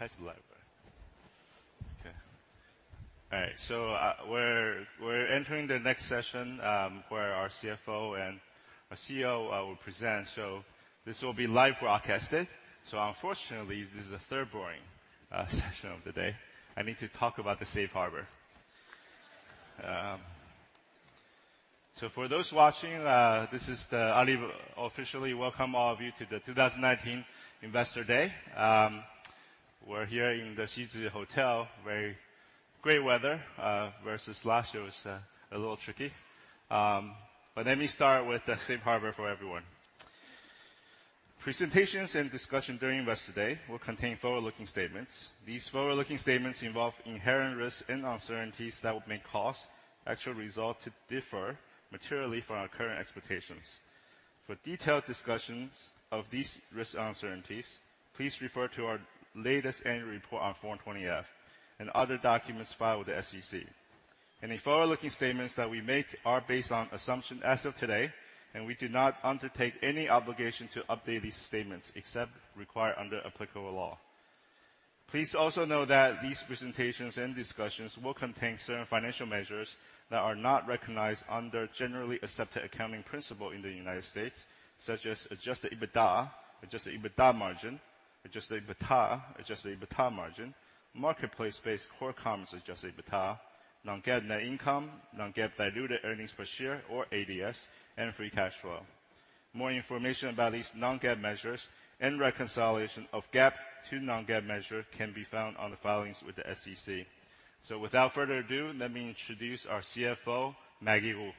Okay. All right. We're entering the next session, where our CFO and our CEO will present. This will be live broadcasted. Unfortunately, this is the third boring session of the day. I need to talk about the safe harbor. For those watching, this is Ali officially welcome all of you to the 2019 Investor Day. We're here in the Xixi Hotel, very great weather, versus last year was a little tricky. Let me start with the safe harbor for everyone. Presentations and discussion during Investor Day will contain forward-looking statements. These forward-looking statements involve inherent risks and uncertainties that may cause actual results to differ materially from our current expectations. For detailed discussions of these risks and uncertainties, please refer to our latest annual report on Form 20-F and other documents filed with the SEC. Any forward-looking statements that we make are based on assumptions as of today. We do not undertake any obligation to update these statements except as required under applicable law. Please also note that these presentations and discussions will contain certain financial measures that are not recognized under generally accepted accounting principles in the United States, such as adjusted EBITDA, adjusted EBITDA margin, marketplace-based core commerce adjusted EBITDA, non-GAAP net income, non-GAAP diluted earnings per share or ADS, and free cash flow. More information about these non-GAAP measures and reconciliation of GAAP to non-GAAP measures can be found on the filings with the SEC. Without further ado, let me introduce our CFO, Maggie Wu.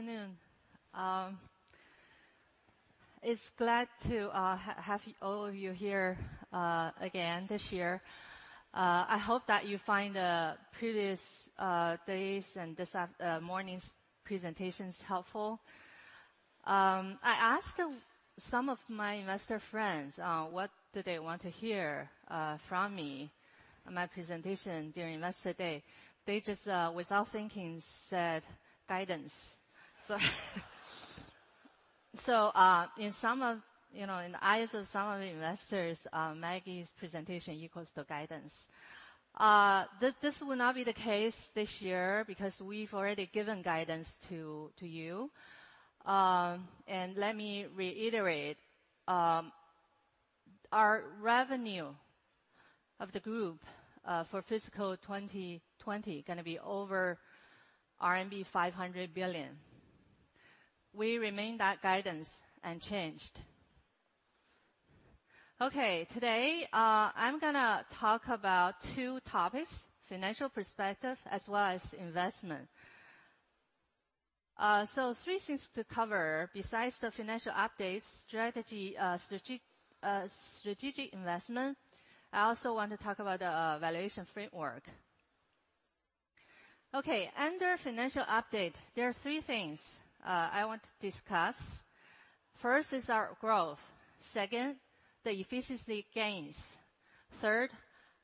Good afternoon. It's glad to have all of you here again this year. I hope that you find previous days and this morning's presentations helpful. I asked some of my investor friends what do they want to hear from me in my presentation during Investor Day. They just, without thinking, said, "Guidance." In the eyes of some of the investors, Maggie's presentation equals to guidance. This will not be the case this year because we've already given guidance to you. Let me reiterate, our revenue of the group for fiscal 2020 going to be over RMB 500 billion. We remain that guidance unchanged. Okay. Today, I'm gonna talk about two topics, financial perspective as well as investment. Three things to cover, besides the financial updates, strategic investment. I also want to talk about the valuation framework. Okay, under financial update, there are three things I want to discuss. First is our growth. Second, the efficiency gains. Third,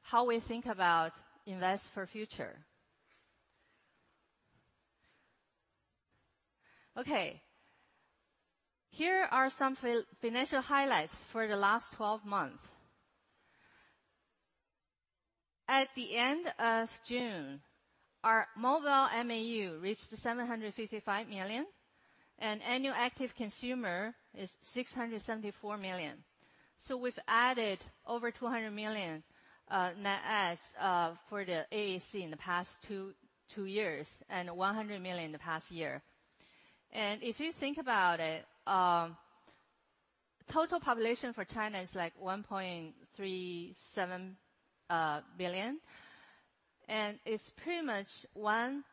how we think about invest for future. Okay. Here are some financial highlights for the last 12 months. At the end of June, our mobile MAU reached 755 million, and annual active consumer is 674 million. We've added over 200 million net adds for the AAC in the past two years, and 100 million in the past year. If you think about it, total population for China is like 1.37 billion, and it's pretty much one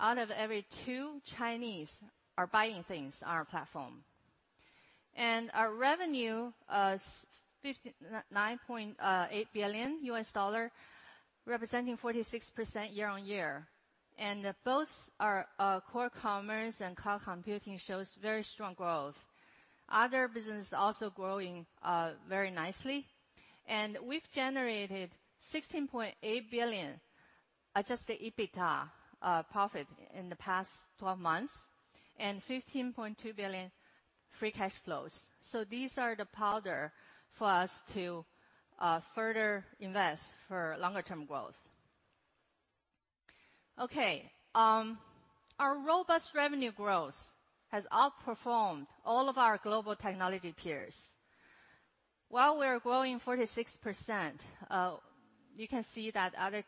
out of every two Chinese are buying things on our platform. Our revenue is $59.8 billion, representing 46% year-on-year. Both our core commerce and cloud computing shows very strong growth. Other business also growing very nicely. We've generated 16.8 billion adjusted EBITDA profit in the past 12 months, and 15.2 billion free cash flows. These are the powder for us to further invest for longer term growth. Our robust revenue growth has outperformed all of our global technology peers. While we are growing 46%, you can see that other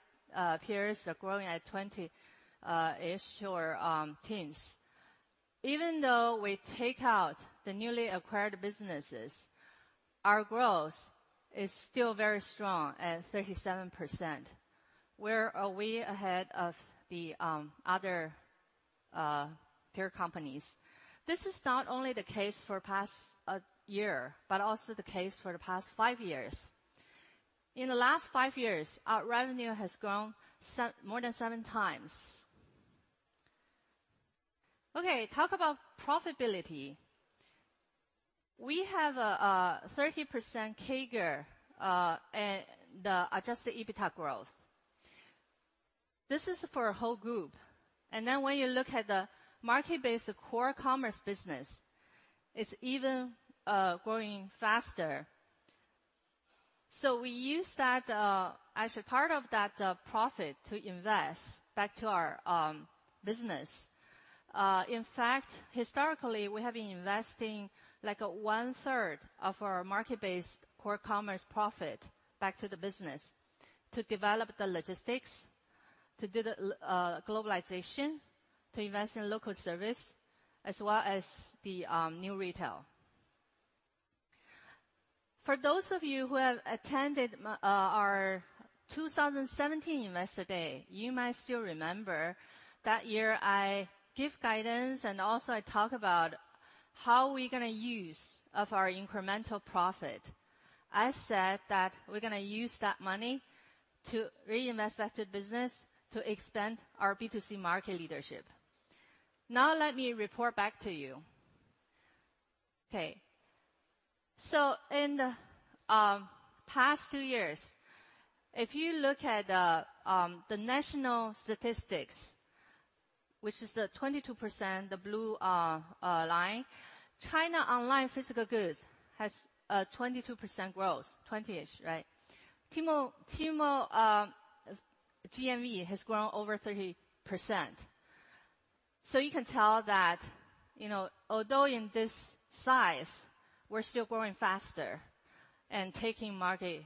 peers are growing at 20-ish or teens. Even though we take out the newly acquired businesses, our growth is still very strong at 37%, where are we ahead of the other peer companies. This is not only the case for past year, but also the case for the past five years. In the last five years, our revenue has grown more than seven times. Talk about profitability. We have a 30% CAGR, the adjusted EBITDA growth. This is for a whole group. When you look at the marketplace-based core commerce business, it's even growing faster. We use that as a part of that profit to invest back to our business. In fact, historically, we have been investing one-third of our marketplace-based core commerce profit back to the business to develop the logistics, to do the globalization, to invest in local service, as well as the New Retail. For those of you who have attended our 2017 Investor Day, you might still remember that year I give guidance and also I talk about how we're going to use of our incremental profit. I said that we're going to use that money to reinvest back to the business to expand our B2C market leadership. Now let me report back to you. Okay. In the past two years, if you look at the national statistics, which is the 22%, the blue line, China online physical goods has a 22% growth, 20-ish, right? Tmall GMV has grown over 30%. You can tell that although in this size, we are still growing faster and taking market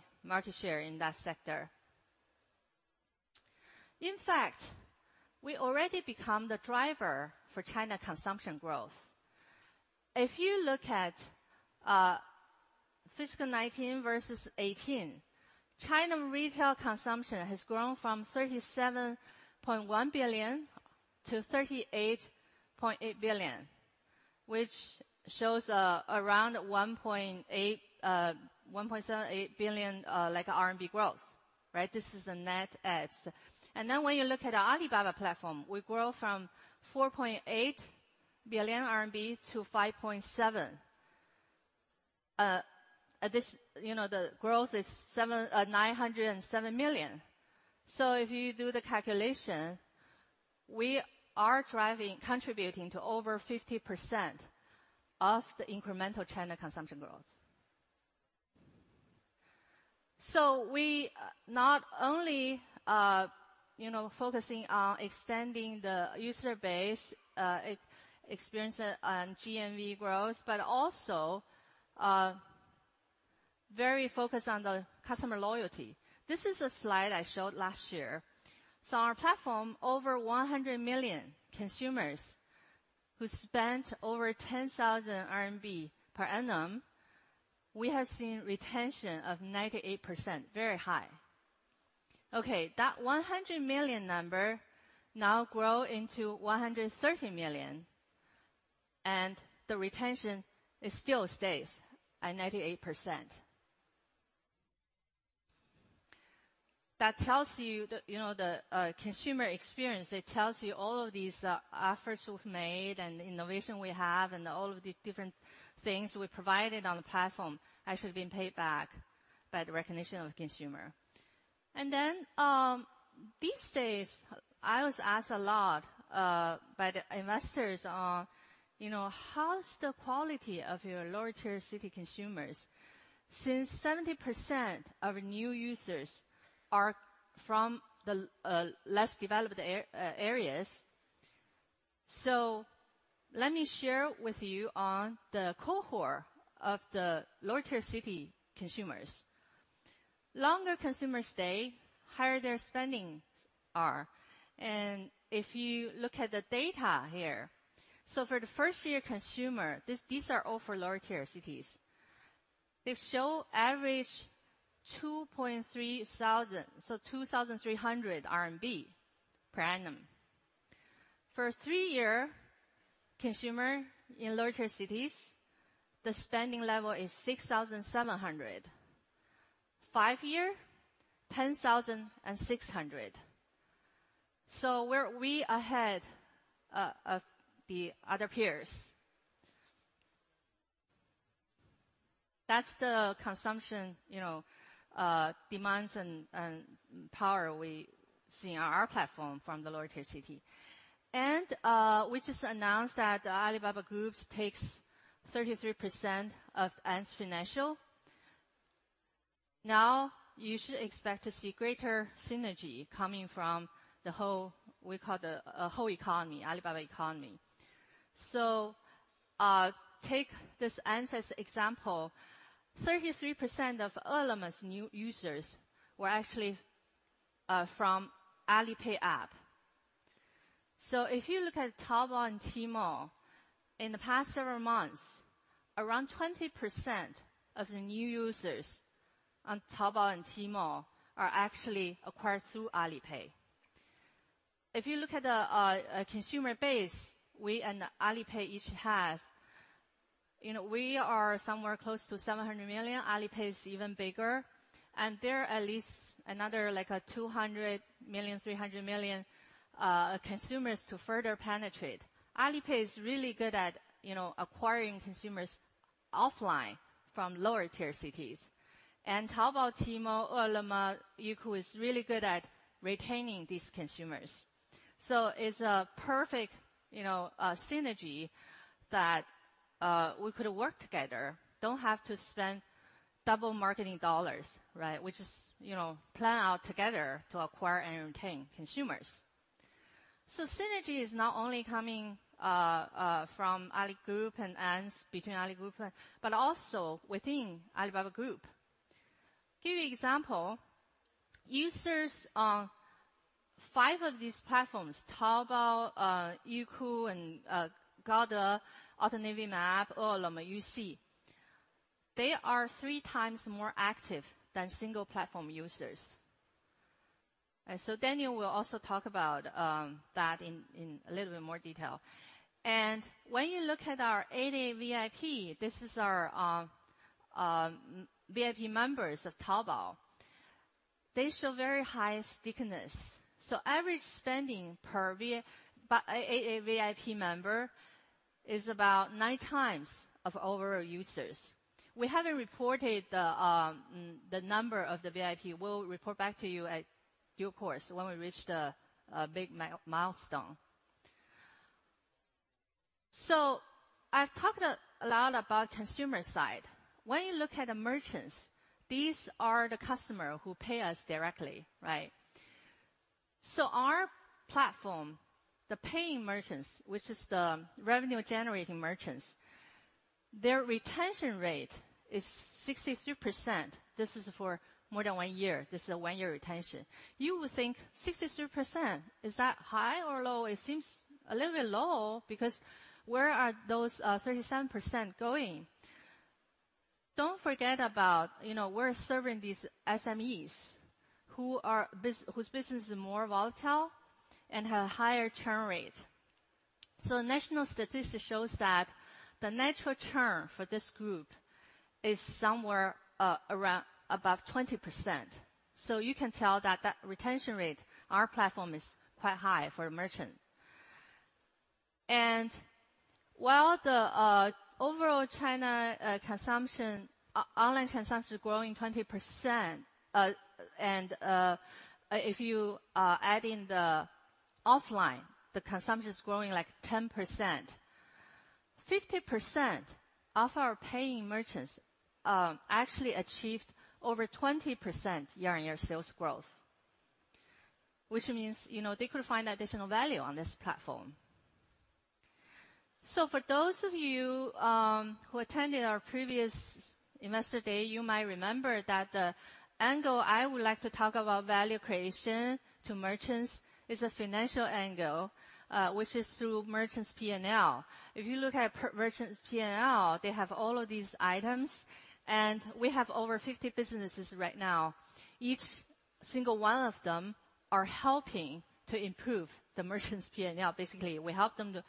share in that sector. In fact, we already become the driver for China consumption growth. If you look at fiscal 2019 versus 2018, China retail consumption has grown from 37.1 billion to 38.8 billion, which shows around 1.78 billion RMB growth. This is a net add. When you look at our Alibaba platform, we grow from 4.8 billion RMB to 5.7. The growth is 907 million. If you do the calculation, we are contributing to over 50% of the incremental China consumption growth. We not only focusing on extending the user base experience on GMV growth, but also very focused on the customer loyalty. This is a slide I showed last year. Our platform, over 100 million consumers who spent over 10,000 RMB per annum, we have seen retention of 98%, very high. Okay. That 100 million number now grow into 130 million, the retention, it still stays at 98%. That tells you the consumer experience. It tells you all of these efforts we've made and the innovation we have and all of the different things we provided on the platform have actually been paid back by the recognition of the consumer. These days, I was asked a lot by the investors on how's the quality of your lower tier city consumers since 70% of new users are from the less developed areas. Let me share with you on the cohort of the lower-tier city consumers. Longer consumers stay, higher their spendings are. If you look at the data here, for the first-year consumer, these are all for lower-tier cities. They show average 2,300 RMB per annum. For a 3-year consumer in lower-tier cities, the spending level is 6,700. 5-year, 10,600. We're ahead of the other peers. That's the consumption demands and power we see on our platform from the lower-tier city. We just announced that Alibaba Group takes 33% of Ant Financial. Now you should expect to see greater synergy coming from the whole, we call the whole economy, Alibaba Digital Economy. Take this Ant as example. 33% of Ele.me's new users were actually from Alipay app. If you look at Taobao and Tmall, in the past several months, around 20% of the new users on Taobao and Tmall are actually acquired through Alipay. If you look at the consumer base, we are somewhere close to 700 million. Alipay is even bigger, and there are at least another 200 million, 300 million consumers to further penetrate. Alipay is really good at acquiring consumers offline from lower tier cities. Taobao, Tmall, Ele.me, Youku is really good at retaining these consumers. It's a perfect synergy that we could work together, don't have to spend double marketing dollars, right? We just plan out together to acquire and retain consumers. Synergy is not only coming from Ant Financial group and between Ant Financial group, but also within Alibaba Group. Let me give you an example. Users on five of these platforms, Taobao, Youku, Gaode, AutoNavi map, Eleme, UC, they are three times more active than single platform users. Daniel will also talk about that in a little bit more detail. When you look at our 88VIP, this is our VIP members of Taobao. They show very high stickiness. Average spending per 88VIP member is about nine times of overall users. We haven't reported the number of the VIP. We'll report back to you at due course when we reach the big milestone. I've talked a lot about consumer side. When you look at the merchants, these are the customer who pay us directly, right? Our platform, the paying merchants, which is the revenue-generating merchants, their retention rate is 63%. This is for more than one year. This is a one-year retention. You would think 63%, is that high or low? It seems a little bit low because where are those 37% going? Don't forget about we're serving these SMEs whose business is more volatile and have higher churn rate. National statistic shows that the natural churn for this group is somewhere around above 20%. You can tell that that retention rate, our platform is quite high for a merchant. While the overall China online consumption is growing 20%, and if you add in the offline, the consumption is growing like 10%, 50% of our paying merchants actually achieved over 20% year-on-year sales growth. Which means they could find additional value on this platform. For those of you who attended our previous investor day, you might remember that the angle I would like to talk about value creation to merchants is a financial angle, which is through merchants' P&L. If you look at merchants' P&L, they have all of these items, and we have over 50 businesses right now. Each single one of them are helping to improve the merchants' P&L. Basically, we help them to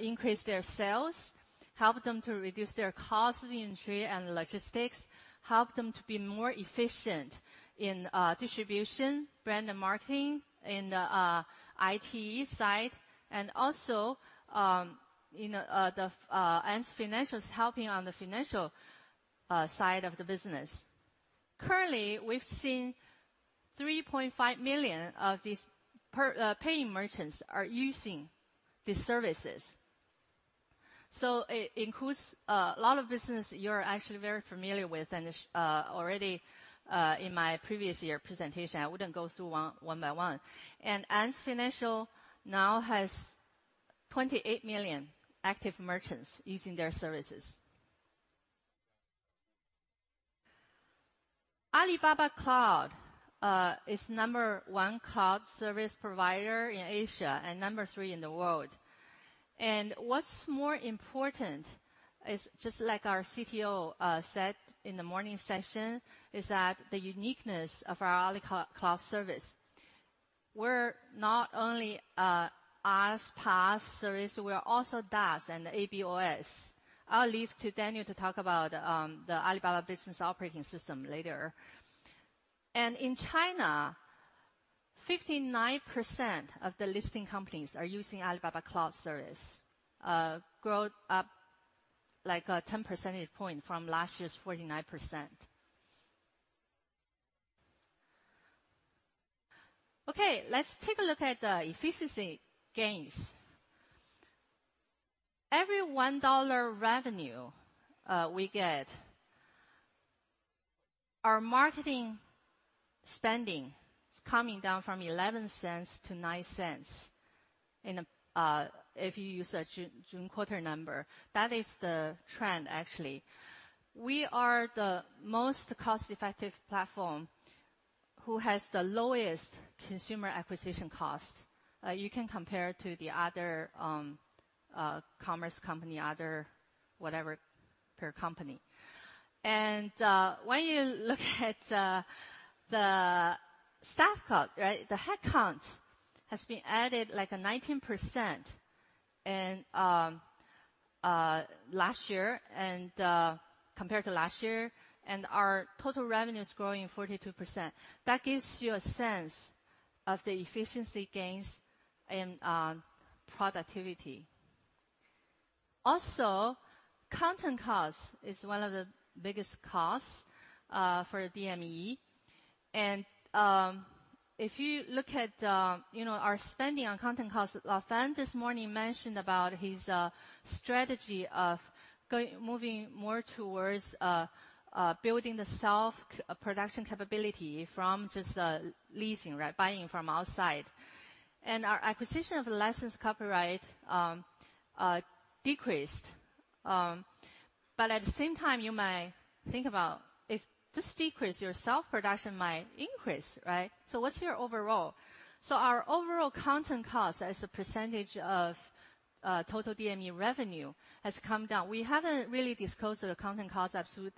increase their sales, help them to reduce their cost of entry and logistics, help them to be more efficient in distribution, brand and marketing in the IT side, and also Ant Financial is helping on the financial side of the business. Currently, we've seen 3.5 million of these paying merchants are using these services. It includes a lot of business you're actually very familiar with, and already in my previous year presentation, I wouldn't go through one by one. Ant Financial now has 28 million active merchants using their services. Alibaba Cloud is number 1 cloud service provider in Asia and number 3 in the world. What's more important is just like our CTO said in the morning session, is that the uniqueness of our Ali Cloud service. We're not only IaaS, PaaS service, we are also DaaS and ABOS. I'll leave to Daniel to talk about the Alibaba Business Operating System later. In China, 59% of the listing companies are using Alibaba Cloud service. Grow up like a 10 percentage point from last year's 49%. Okay, let's take a look at the efficiency gains. Every RMB 1 revenue we get, our marketing spending is coming down from 0.11 to 0.09 if you use a June quarter number. That is the trend actually. We are the most cost-effective platform who has the lowest consumer acquisition cost. You can compare to the other commerce company, other whatever peer company. When you look at the staff cut, right? The headcounts has been added like 19% last year, and compared to last year, and our total revenue is growing 42%. That gives you a sense of the efficiency gains in productivity. Content cost is one of the biggest costs for the DME. If you look at our spending on content costs, Fan this morning mentioned about his strategy of moving more towards building the self-production capability from just leasing, buying from outside. Our acquisition of licensed copyright decreased. At the same time, you might think about if this decrease, your self-production might increase, right? What's your overall? Our overall content cost as a percentage of total DME revenue has come down. We haven't really disclosed the content cost absolute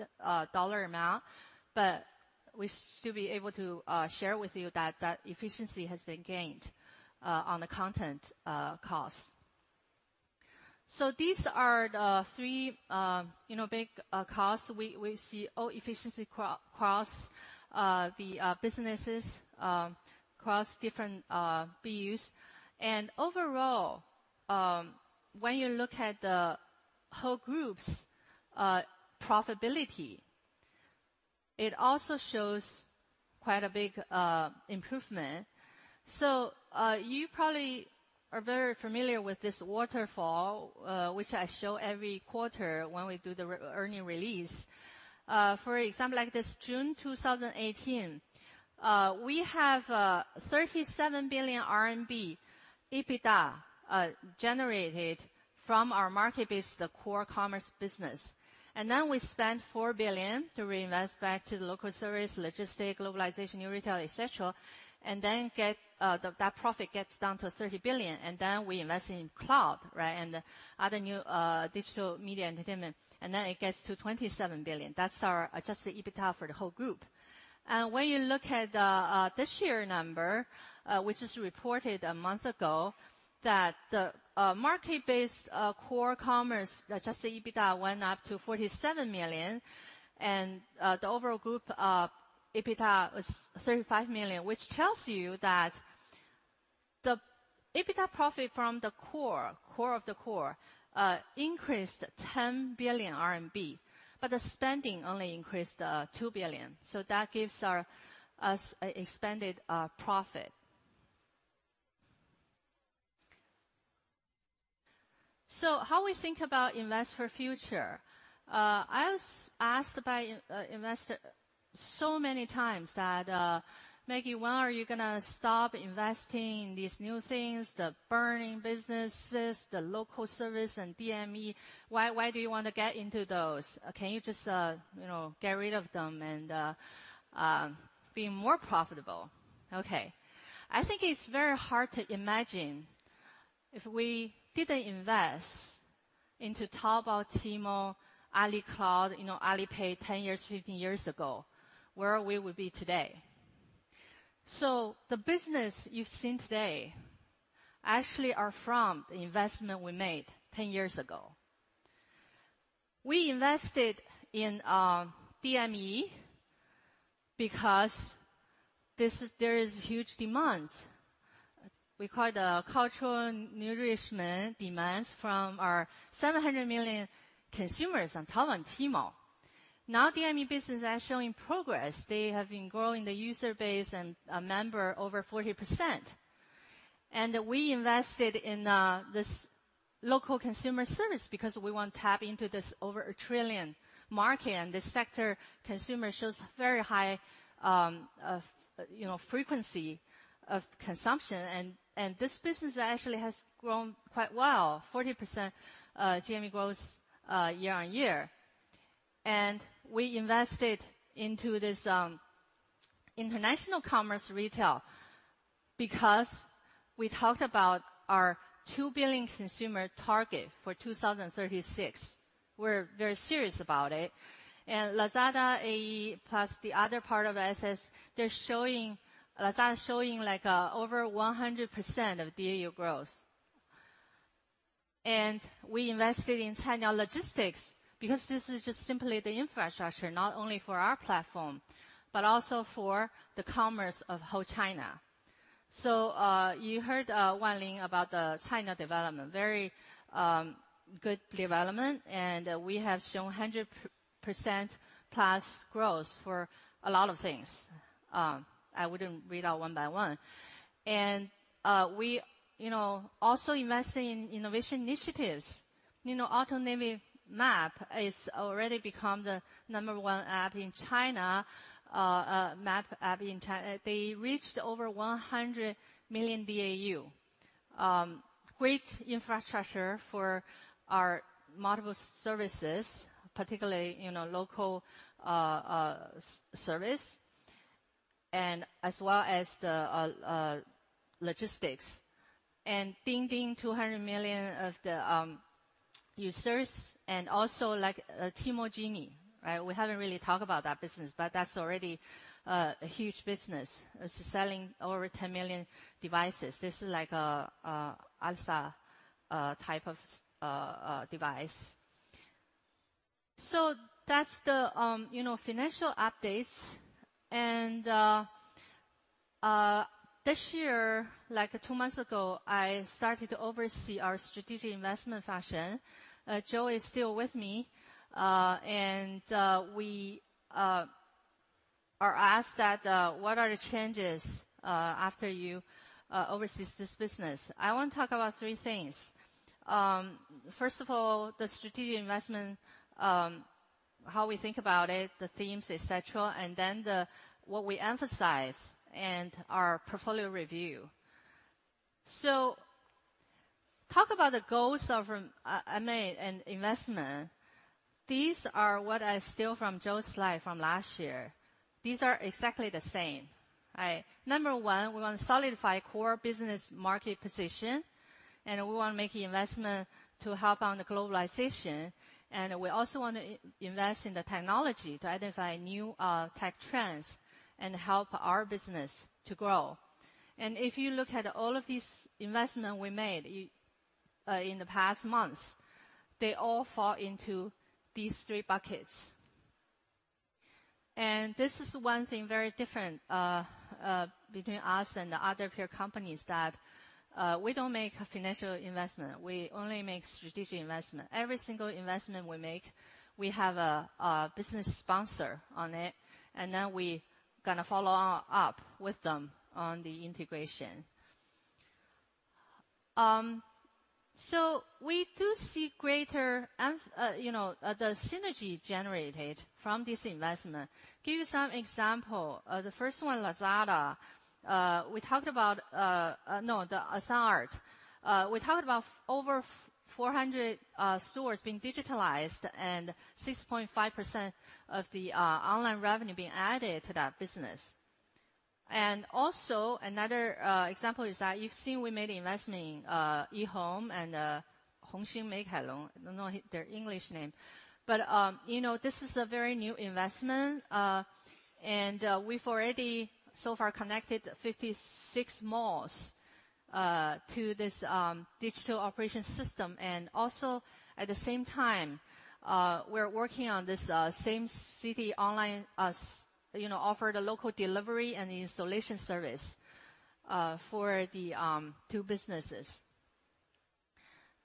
dollar amount, but we should be able to share with you that efficiency has been gained on the content cost. These are the three big costs. We see efficiency across the businesses, across different BUs. Overall, when you look at the whole group's profitability, it also shows quite a big improvement. You probably are very familiar with this waterfall, which I show every quarter when we do the earnings release. For example, like this June 2018, we have 37 billion RMB EBITDA generated from our marketplace-based core commerce business. We spent 4 billion to reinvest back to the local service, logistics, New Retail, et cetera, and that profit gets down to 30 billion. We invest in cloud, and other new Digital Media Entertainment. It gets to 27 billion. That's our adjusted EBITDA for the whole group. When you look at this year number, which is reported a month ago, that the marketplace-based core commerce adjusted EBITA went up to 47 million. The overall group EBITDA was 35 million, which tells you that the EBITDA profit from the core of the core, increased 10 billion RMB, the spending only increased 2 billion. That gives us expanded profit. How we think about Invest for Future. I was asked by investor so many times that, "Maggie, when are you going to stop investing in these new things, the burning businesses, the local service and DME? Why do you want to get into those? Can you just get rid of them and be more profitable?" Okay. I think it's very hard to imagine if we didn't invest into Taobao, Tmall, Ali Cloud, Alipay 10 years, 15 years ago, where we would be today. The business you've seen today actually are from the investment we made 10 years ago. We invested in DME because there is huge demands. We call it the cultural nourishment demands from our 700 million consumers on Taobao and Tmall. DME business are showing progress. They have been growing the user base and member over 40%. We invested in this local consumer service because we want to tap into this over a trillion market. This sector consumer shows very high frequency of consumption. This business actually has grown quite well, 40% DME growth year-on-year. We invested into this international commerce retail because we talked about our 2 billion consumer target for 2036. We're very serious about it. Lazada AE plus the other part of SS, they're showing, Lazada is showing over 100% of DAU growth. We invested in Cainiao Logistics because this is just simply the infrastructure, not only for our platform, but also for the commerce of whole China. You heard Wan Ling about the China development, very good development. We have shown 100% plus growth for a lot of things. I wouldn't read out one by one. We also investing in innovation initiatives. Amap is already become the number one map app in China. They reached over 100 million DAU. Great infrastructure for our multiple services, particularly local service. As well as the logistics. DingTalk, 200 million of the users, and also like Tmall Genie, right? We haven't really talked about that business, but that's already a huge business. It's selling over 10 million devices. This is like an Alexa type of device. That's the financial updates. This year, two months ago, I started to oversee our strategic investment function. Joe is still with me. We are asked that, what are the changes after you oversee this business? I want to talk about three things. First of all, the strategic investment, how we think about it, the themes, et cetera, and then what we emphasize and our portfolio review. Talk about the goals of M&A and investment. These are what I steal from Joe's slide from last year. These are exactly the same, right? Number one, we want to solidify core business market position. We want to make investment to help on the globalization. We also want to invest in the technology to identify new tech trends and help our business to grow. If you look at all of these investment we made in the past months, they all fall into these three buckets. This is one thing very different between us and the other peer companies, that we don't make a financial investment. We only make strategic investment. Every single investment we make, we have a business sponsor on it. Then we kind of follow up with them on the integration. We do see greater the synergy generated from this investment. Give you some example. The first one, Lazada. We talked about New Retail. We talked about over 400 stores being digitized and 6.5% of the online revenue being added to that business. Another example is that you've seen we made investment in Easyhome and Hongxing Meikailong. I don't know their English name. This is a very new investment, and we've already so far connected 56 malls to this digital operation system. At the same time, we're working on this same-city online, offered a local delivery and installation service for the two businesses.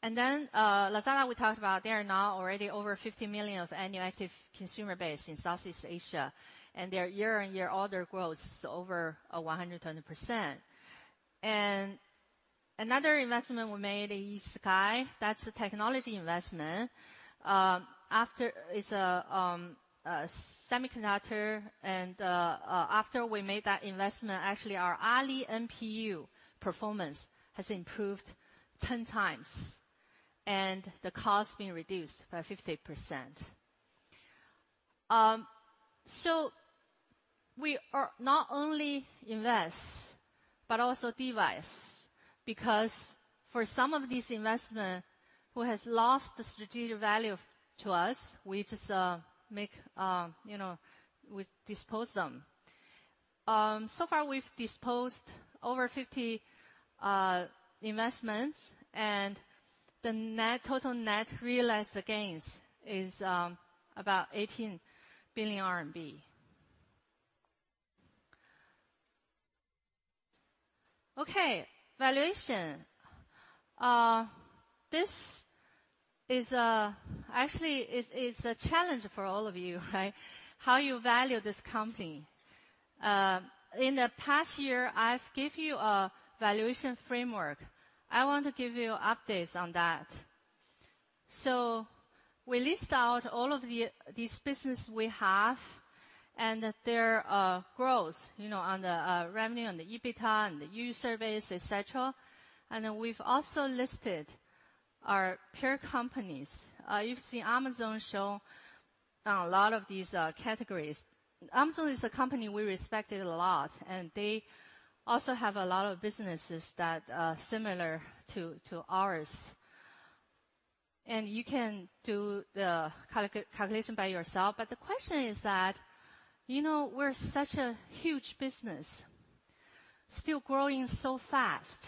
Lazada, we talked about, they are now already over 50 million of annual active consumer base in Southeast Asia. Their year-over-year order growth is over 120%. Another investment we made is C-SKY. That's a technology investment. It's a semiconductor. After we made that investment, actually our Ali NPU performance has improved 10 times, and the cost has been reduced by 50%. We are not only invest but also divest, because for some of these investment who has lost the strategic value to us, we just dispose them. So far, we've disposed over 50 investments, and the total net realized gains is about RMB 18 billion. Okay. Valuation. This actually is a challenge for all of you, right? How you value this company. In the past year, I've give you a valuation framework. I want to give you updates on that. We list out all of these business we have and their growth on the revenue, on the EBITDA, on the user base, et cetera. We've also listed our peer companies. You've seen Amazon show on a lot of these categories. Amazon is a company we respected a lot, and they also have a lot of businesses that are similar to ours. You can do the calculation by yourself. The question is that, we're such a huge business, still growing so fast,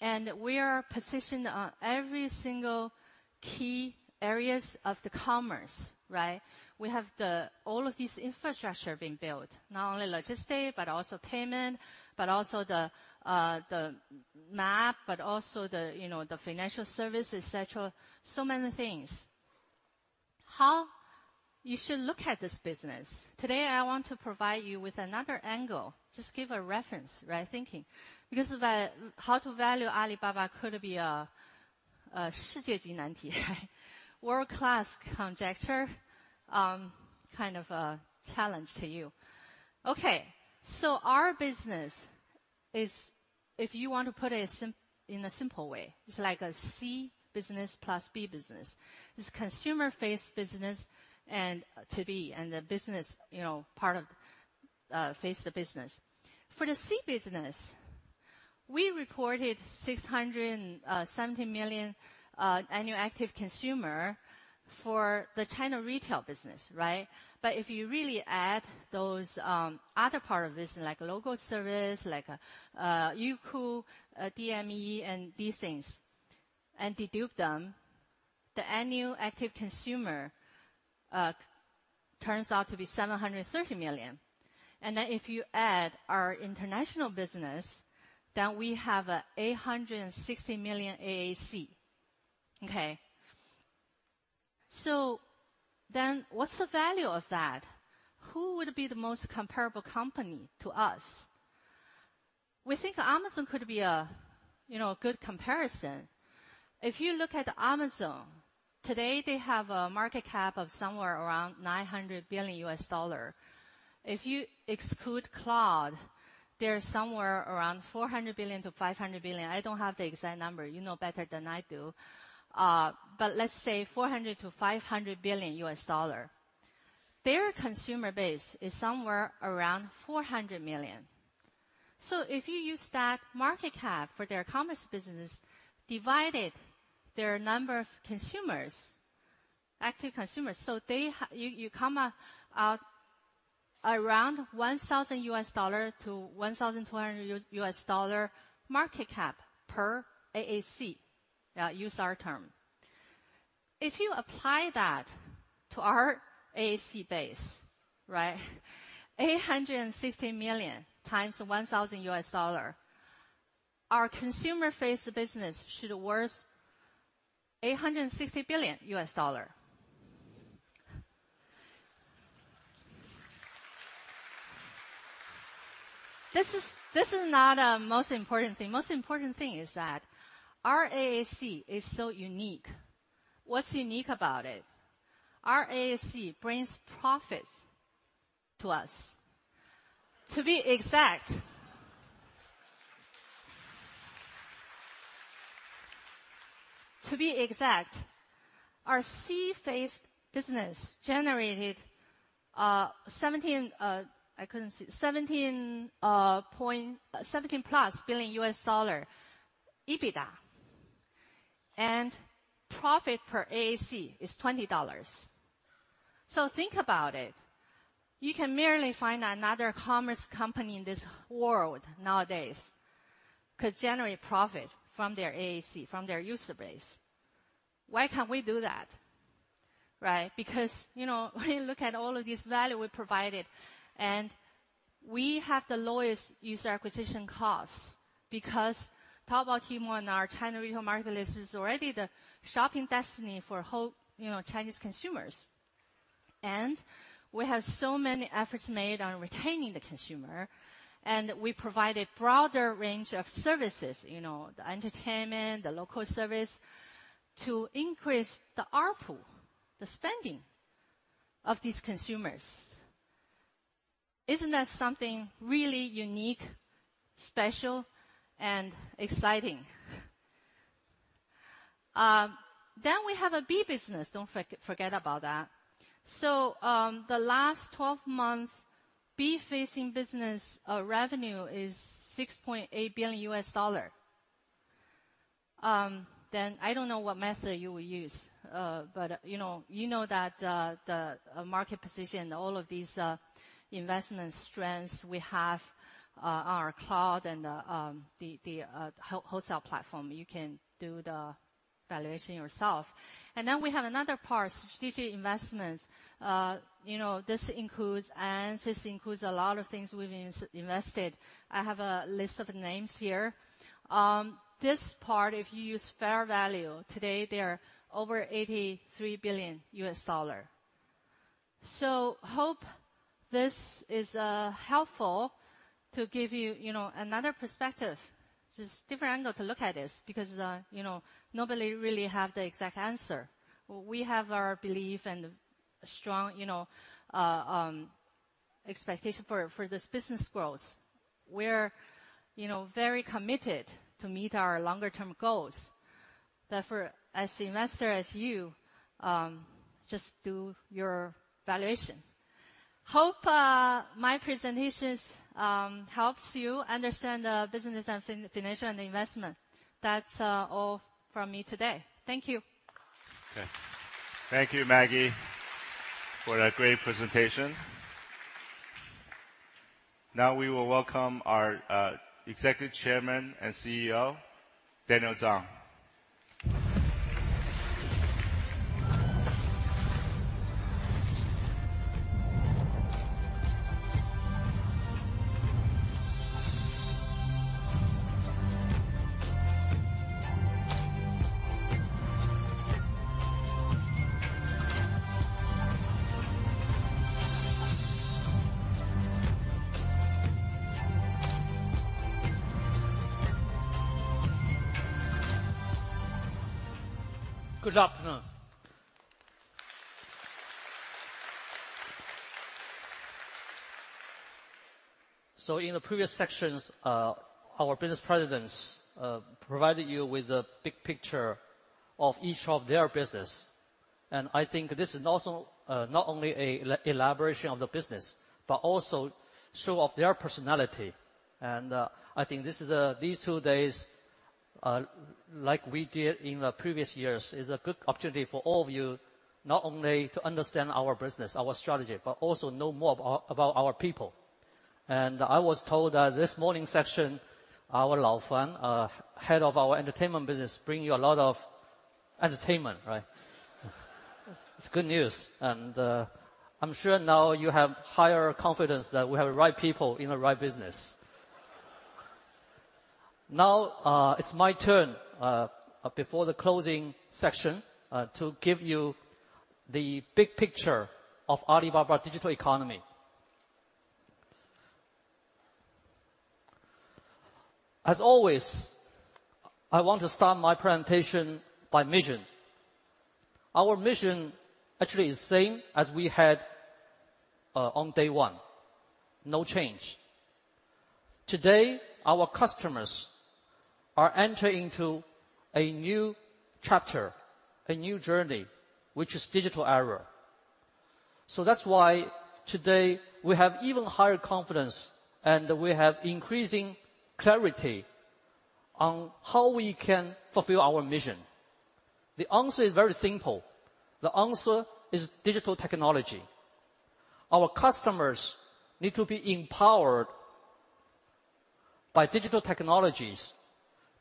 and we are positioned on every single key areas of the commerce, right? We have all of this infrastructure being built. Not only logistics, but also payment, but also the map, but also the financial service, et cetera. Many things. How you should look at this business. Today, I want to provide you with another angle. Just give a reference, right? Thinking. How to value Alibaba could be a world-class conjecture, kind of a challenge to you. Okay, our business is if you want to put it in a simple way, it's like a C business plus B business. It's consumer-facing business and to B, and the business part of face the business. For the C business, we reported 670 million annual active consumer for the China retail business, right? If you really add those other part of business, like local service, like Youku, DME, and these things, and dedupe them, the annual active consumer turns out to be 730 million. If you add our international business, we have 860 million AAC. Okay. What's the value of that? Who would be the most comparable company to us? We think Amazon could be a good comparison. If you look at Amazon, today they have a market cap of somewhere around $900 billion. If you exclude Cloud, they're somewhere around $400 billion-$500 billion. I don't have the exact number. You know better than I do. Let's say $400 billion to $500 billion. Their consumer base is somewhere around 400 million. If you use that market cap for their commerce business, divided their number of consumers, active consumers, you come out around $1,000 to $1,200 market cap per AAC, use our term. If you apply that to our AAC base, right, 860 million times $1,000, our consumer-faced business should worth $860 billion. This is not a most important thing. Most important thing is that our AAC is so unique. What's unique about it? Our AAC brings profits to us. To be exact, our C-faced business generated 17, I couldn't see, $17 billion plus EBITDA. Profit per AAC is $20. Think about it. You can barely find another commerce company in this world nowadays could generate profit from their AAC, from their user base. Why can't we do that, right? When you look at all of this value we provided, and we have the lowest user acquisition costs because Taobao, Tmall, and our China retail marketplace is already the shopping destiny for whole Chinese consumers. We have so many efforts made on retaining the consumer, and we provide a broader range of services, the entertainment, the local service, to increase the ARPU, the spending of these consumers. Isn't that something really unique, special, and exciting? We have a B business. Don't forget about that. The last 12 months, B-facing business revenue is $6.8 billion. I don't know what method you will use, but you know that the market position, all of these investment strengths we have, our Alibaba Cloud and the wholesale platform, you can do the valuation yourself. We have another part, strategic investments. This includes Ant, this includes a lot of things we've invested. I have a list of names here. This part, if you use fair value, today, they are over $83 billion. Hope this is helpful to give you another perspective. Just different angle to look at this because nobody really have the exact answer. We have our belief and strong expectation for this business growth. We're very committed to meet our longer term goals. Therefore, as investor, as you, just do your valuation. Hope my presentations helps you understand the business and financial investment. That's all from me today. Thank you. Okay. Thank you, Maggie, for that great presentation. We will welcome our Executive Chairman and CEO, Daniel Zhang. Good afternoon. In the previous sections, our business presidents provided you with a big picture of each of their business. I think this is not only a elaboration of the business, but also show off their personality. I think these two days, like we did in the previous years, is a good opportunity for all of you not only to understand our business, our strategy, but also know more about our people. I was told that this morning session, our, head of our entertainment business, bring you a lot of entertainment, right? It's good news. I'm sure now you have higher confidence that we have the right people in the right business. Now, it's my turn, before the closing session, to give you the big picture of Alibaba Digital Economy. As always, I want to start my presentation by mission. Our mission actually is same as we had on day one. No change. Today, our customers are entering to a new chapter, a new journey, which is digital era. That's why today we have even higher confidence, and we have increasing clarity on how we can fulfill our mission. The answer is very simple. The answer is digital technology. Our customers need to be empowered by digital technologies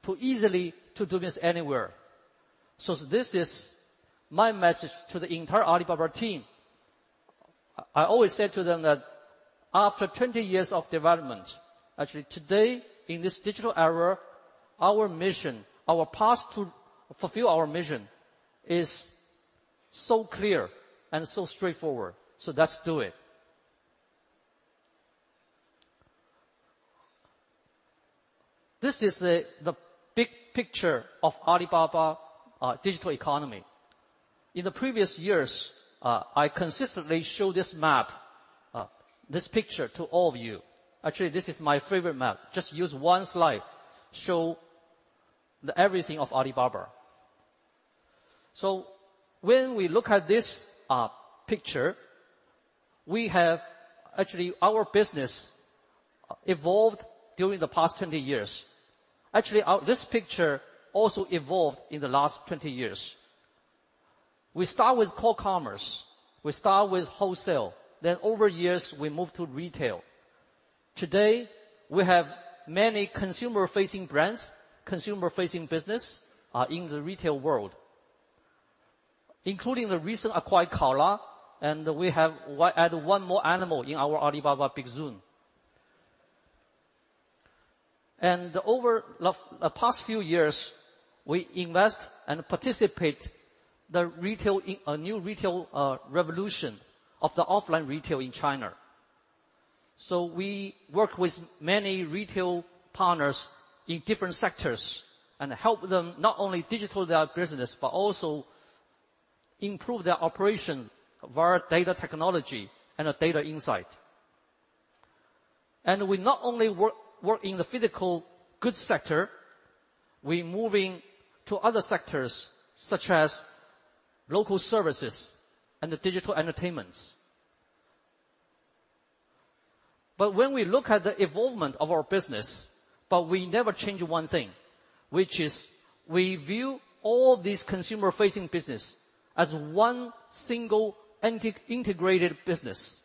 to easily to do business anywhere. This is my message to the entire Alibaba team. I always said to them that after 20 years of development, actually today, in this digital era, our mission, our path to fulfill our mission is so clear and so straightforward. Let's do it. This is the big picture of Alibaba Digital Economy. In the previous years, I consistently show this map, this picture to all of you. Actually, this is my favorite map. Just use one slide, show everything of Alibaba. When we look at this picture, we have actually, our business evolved during the past 20 years. Actually, this picture also evolved in the last 20 years. We start with core commerce. We start with wholesale. Over years, we move to retail. Today, we have many consumer-facing brands, consumer-facing business, in the retail world, including the recent acquired Kaola, and we have add one more animal in our Alibaba big zoo. Over the past few years, we invest and participate the New Retail revolution of the offline retail in China. We work with many retail partners in different sectors and help them not only digitize their business, but also improve their operation via data technology and data insight. We not only work in the physical goods sector, we moving to other sectors, such as local services and Digital Media and Entertainment. When we look at the evolvement of our business, but we never change one thing, which is we view all these consumer-facing business as one single integrated business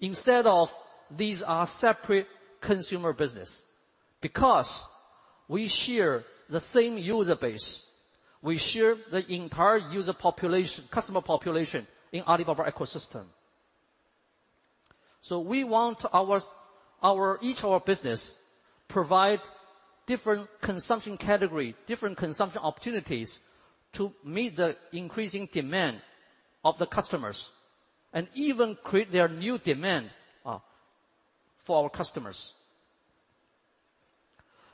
instead of these are separate consumer business because we share the same user base. We share the entire customer population in Alibaba ecosystem. We want each our business provide different consumption category, different consumption opportunities to meet the increasing demand of the customers and even create their new demand for our customers.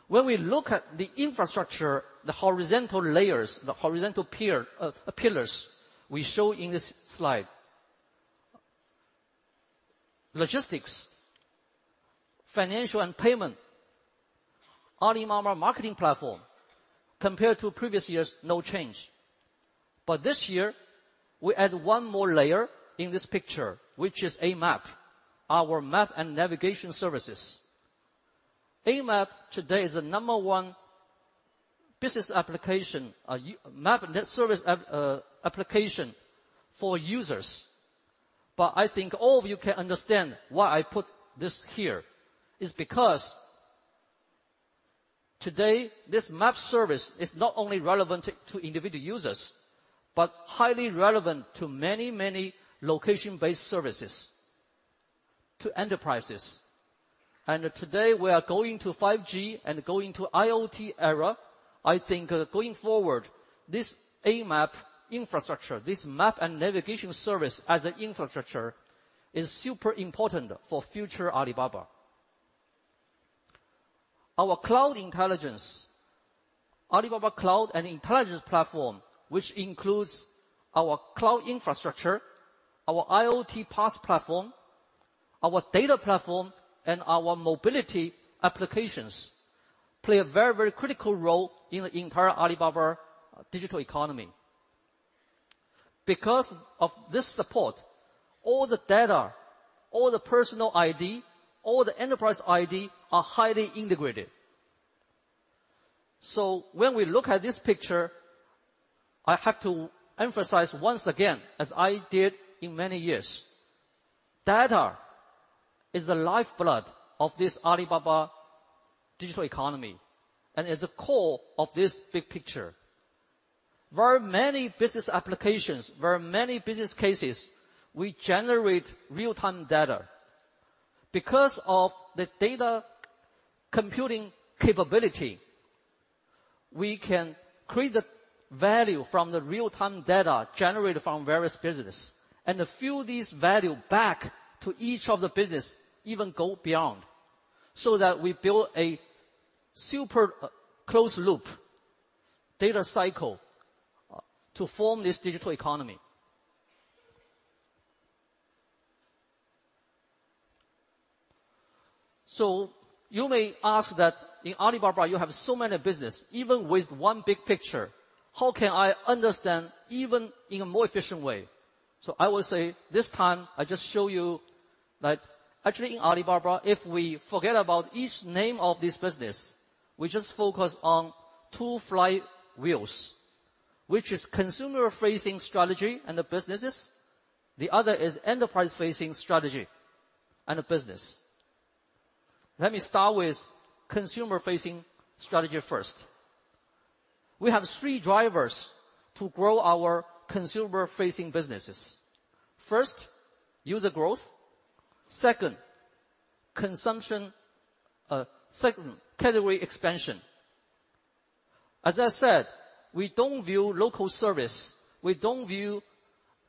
When we look at the infrastructure, the horizontal layers, the horizontal pillars we show in this slide. Logistics, financial and payment, Alibaba marketing platform. Compared to previous years, no change. This year, we add one more layer in this picture, which is AMAP, our map and navigation services. AMAP today is the number 1 business application, map service application for users. I think all of you can understand why I put this here. It is because today, this map service is not only relevant to individual users, but highly relevant to many location-based services, to enterprises. Today we are going to 5G and going to IoT era. I think going forward, this AMAP infrastructure, this map and navigation service as an infrastructure is super important for future Alibaba Cloud Intelligence, Alibaba Cloud Intelligence platform, which includes our cloud infrastructure, our IoT PaaS platform, our data platform, and our mobility applications, play a very critical role in the entire Alibaba Digital Economy. Because of this support, all the data, all the personal ID, all the enterprise ID, are highly integrated. When we look at this picture, I have to emphasize once again, as I did in many years, data is the lifeblood of this Alibaba Digital Economy. Is a core of this big picture. Very many business applications, very many business cases, we generate real-time data. Because of the data computing capability, we can create the value from the real-time data generated from various business, and fill this value back to each of the business, even go beyond, so that we build a super closed loop data cycle to form this Digital Economy. You may ask that in Alibaba, you have so many business, even with one big picture, how can I understand even in a more efficient way? I will say, this time, I just show you that actually in Alibaba, if we forget about each name of this business, we just focus on two flywheels, which is consumer-facing strategy and the businesses. The other is enterprise-facing strategy and the business. Let me start with consumer-facing strategy first. We have three drivers to grow our consumer-facing businesses. First, user growth. Second, category expansion. As I said, we do not view local service, we do not view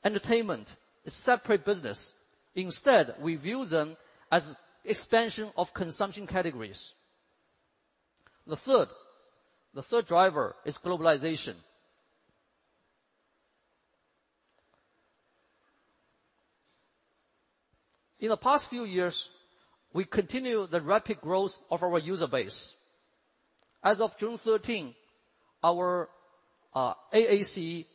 entertainment as separate business. Instead, we view them as expansion of consumption categories. The third driver is globalization. In the past few years, we continue the rapid growth of our user base. As of June 13, our AAC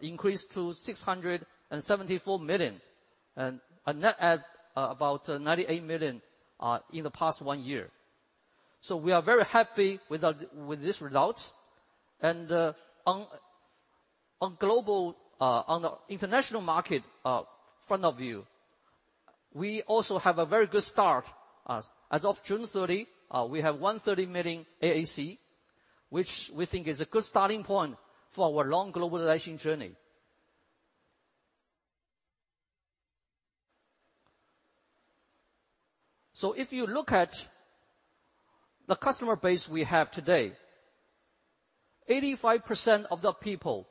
increased to 674 million and a net add about 98 million in the past one year. We are very happy with this result. On the international market front of view, we also have a very good start. As of June 30, we have 130 million AAC, which we think is a good starting point for our long globalization journey. If you look at the customer base we have today, 85% of the people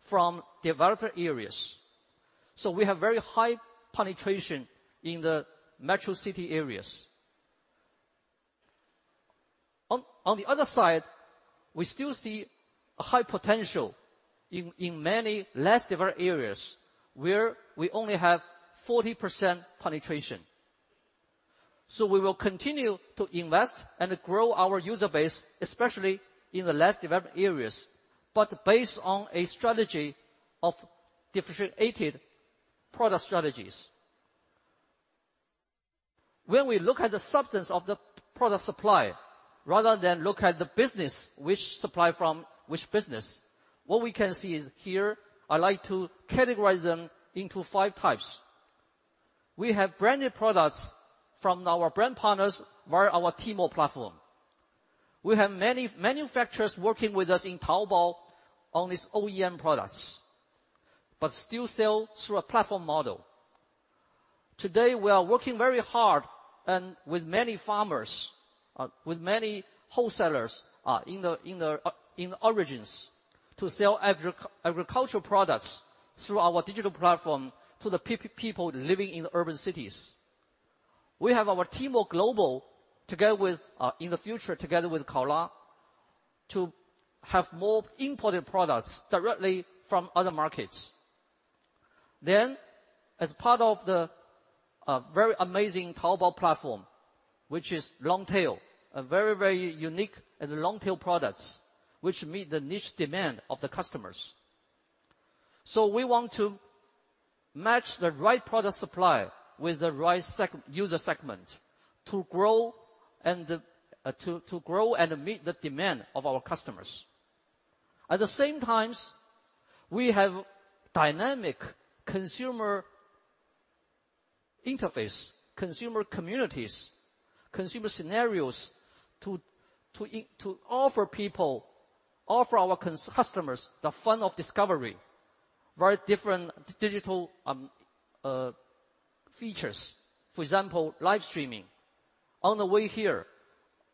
from developed areas. We have very high penetration in the metro city areas. On the other side, we still see a high potential in many less developed areas, where we only have 40% penetration. We will continue to invest and grow our user base, especially in the less developed areas. Based on a strategy of differentiated product strategies. When we look at the substance of the product supply, rather than look at the business which supply from which business, what we can see is here, I like to categorize them into 5 types. We have branded products from our brand partners via our Tmall platform. We have many manufacturers working with us in Taobao on these OEM products, but still sell through a platform model. Today, we are working very hard and with many farmers, with many wholesalers in origins, to sell agricultural products through our digital platform to the people living in urban cities. We have our Tmall Global, in the future, together with Kaola, to have more imported products directly from other markets. As part of the very amazing Taobao platform, which is long-tail, a very, very unique and long-tail products, which meet the niche demand of the customers. We want to match the right product supply with the right user segment to grow and meet the demand of our customers. At the same time, we have dynamic consumer interface, consumer communities, consumer scenarios to offer our customers the fun of discovery, very different digital features. For example, live streaming. On the way here,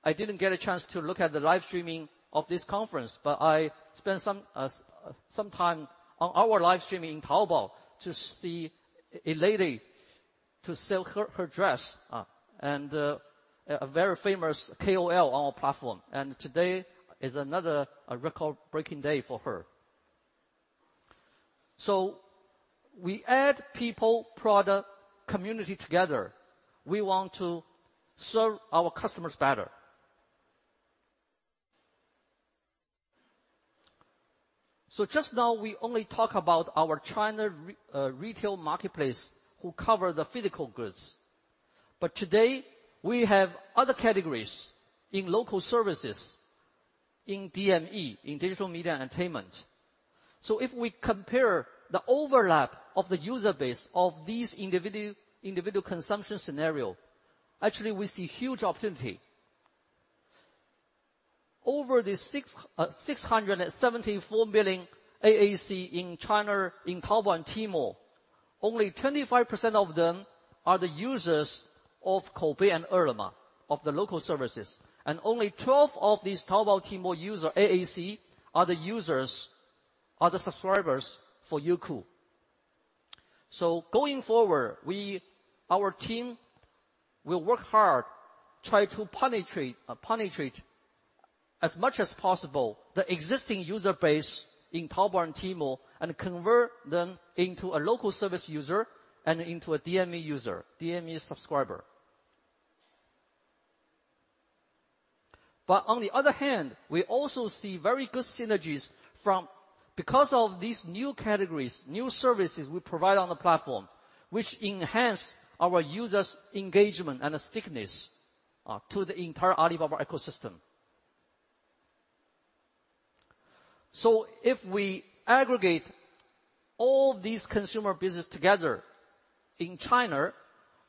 I didn't get a chance to look at the live streaming of this conference, but I spent some time on our live streaming in Taobao to see a lady to sell her dress, and a very famous KOL on our platform. Today is another record-breaking day for her. We add people, product, community together. We want to serve our customers better. Just now, we only talk about our China retail marketplace, who cover the physical goods. Today, we have other categories in local services, in DME, in Digital Media and Entertainment. If we compare the overlap of the user base of these individual consumption scenario, actually we see huge opportunity. Over the 674 million AAC in China in Taobao and Tmall, only 25% of them are the users of Koubei and Ele.me, of the local services. Only 12 of these Taobao/Tmall user, AAC, are the subscribers for Youku. Going forward, our team will work hard, try to penetrate as much as possible the existing user base in Taobao and Tmall, and convert them into a local service user and into a DME user, DME subscriber. On the other hand, we also see very good synergies from because of these new categories, new services we provide on the platform, which enhance our users' engagement and stickiness to the entire Alibaba ecosystem. If we aggregate all these consumer business together, in China,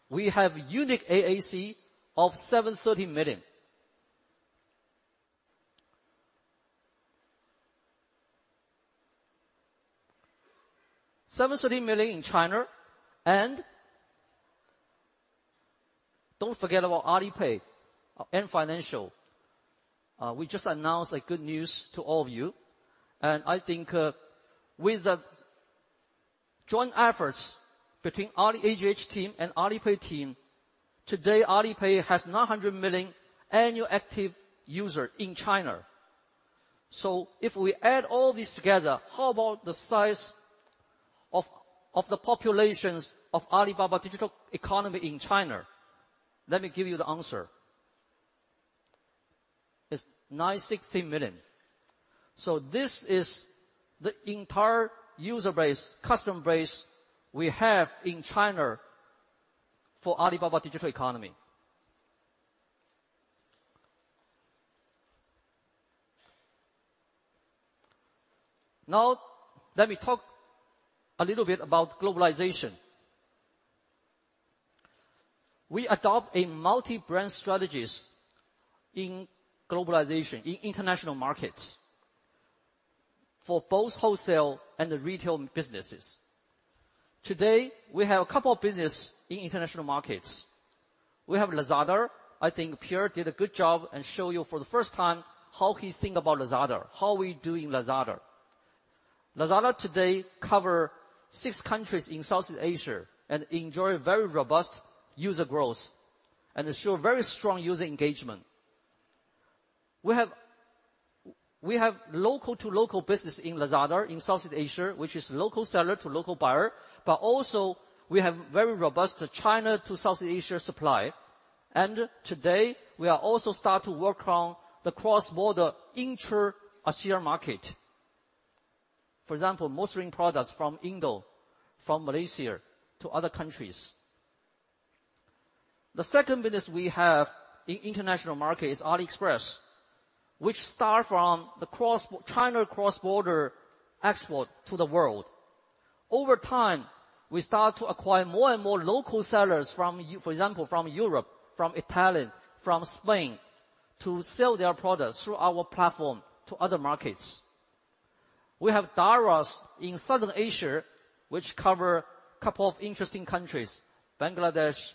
we have unique AAC of 730 million. 730 million in China, and don't forget about Alipay and Ant Financial. We just announced a good news to all of you, I think with the joint efforts between Ali AJH team and Alipay team, today Alipay has 900 million annual active user in China. If we add all this together, how about the size of the populations of Alibaba Digital Economy in China? Let me give you the answer. It's 960 million. This is the entire user base, customer base we have in China for Alibaba Digital Economy. Now, let me talk a little bit about globalization. We adopt a multi-brand strategies in globalization, in international markets. For both wholesale and the retail businesses. Today, we have a couple of business in international markets. We have Lazada. I think Pierre did a good job and show you for the first time how he think about Lazada, how we doing Lazada. Lazada today cover six countries in Southeast Asia and enjoy very robust user growth and show very strong user engagement. We have local to local business in Lazada in Southeast Asia, which is local seller to local buyer, but also we have very robust China to Southeast Asia supply. Today, we are also start to work on the cross-border intra-ASEAN market. For example, motoring products from Indo, from Malaysia, to other countries. The second business we have in international market is AliExpress, which start from the China cross-border export to the world. Over time, we start to acquire more and more local sellers, for example, from Europe, from Italy, from Spain, to sell their products through our platform to other markets. We have Daraz in South Asia, which cover couple of interesting countries, Bangladesh,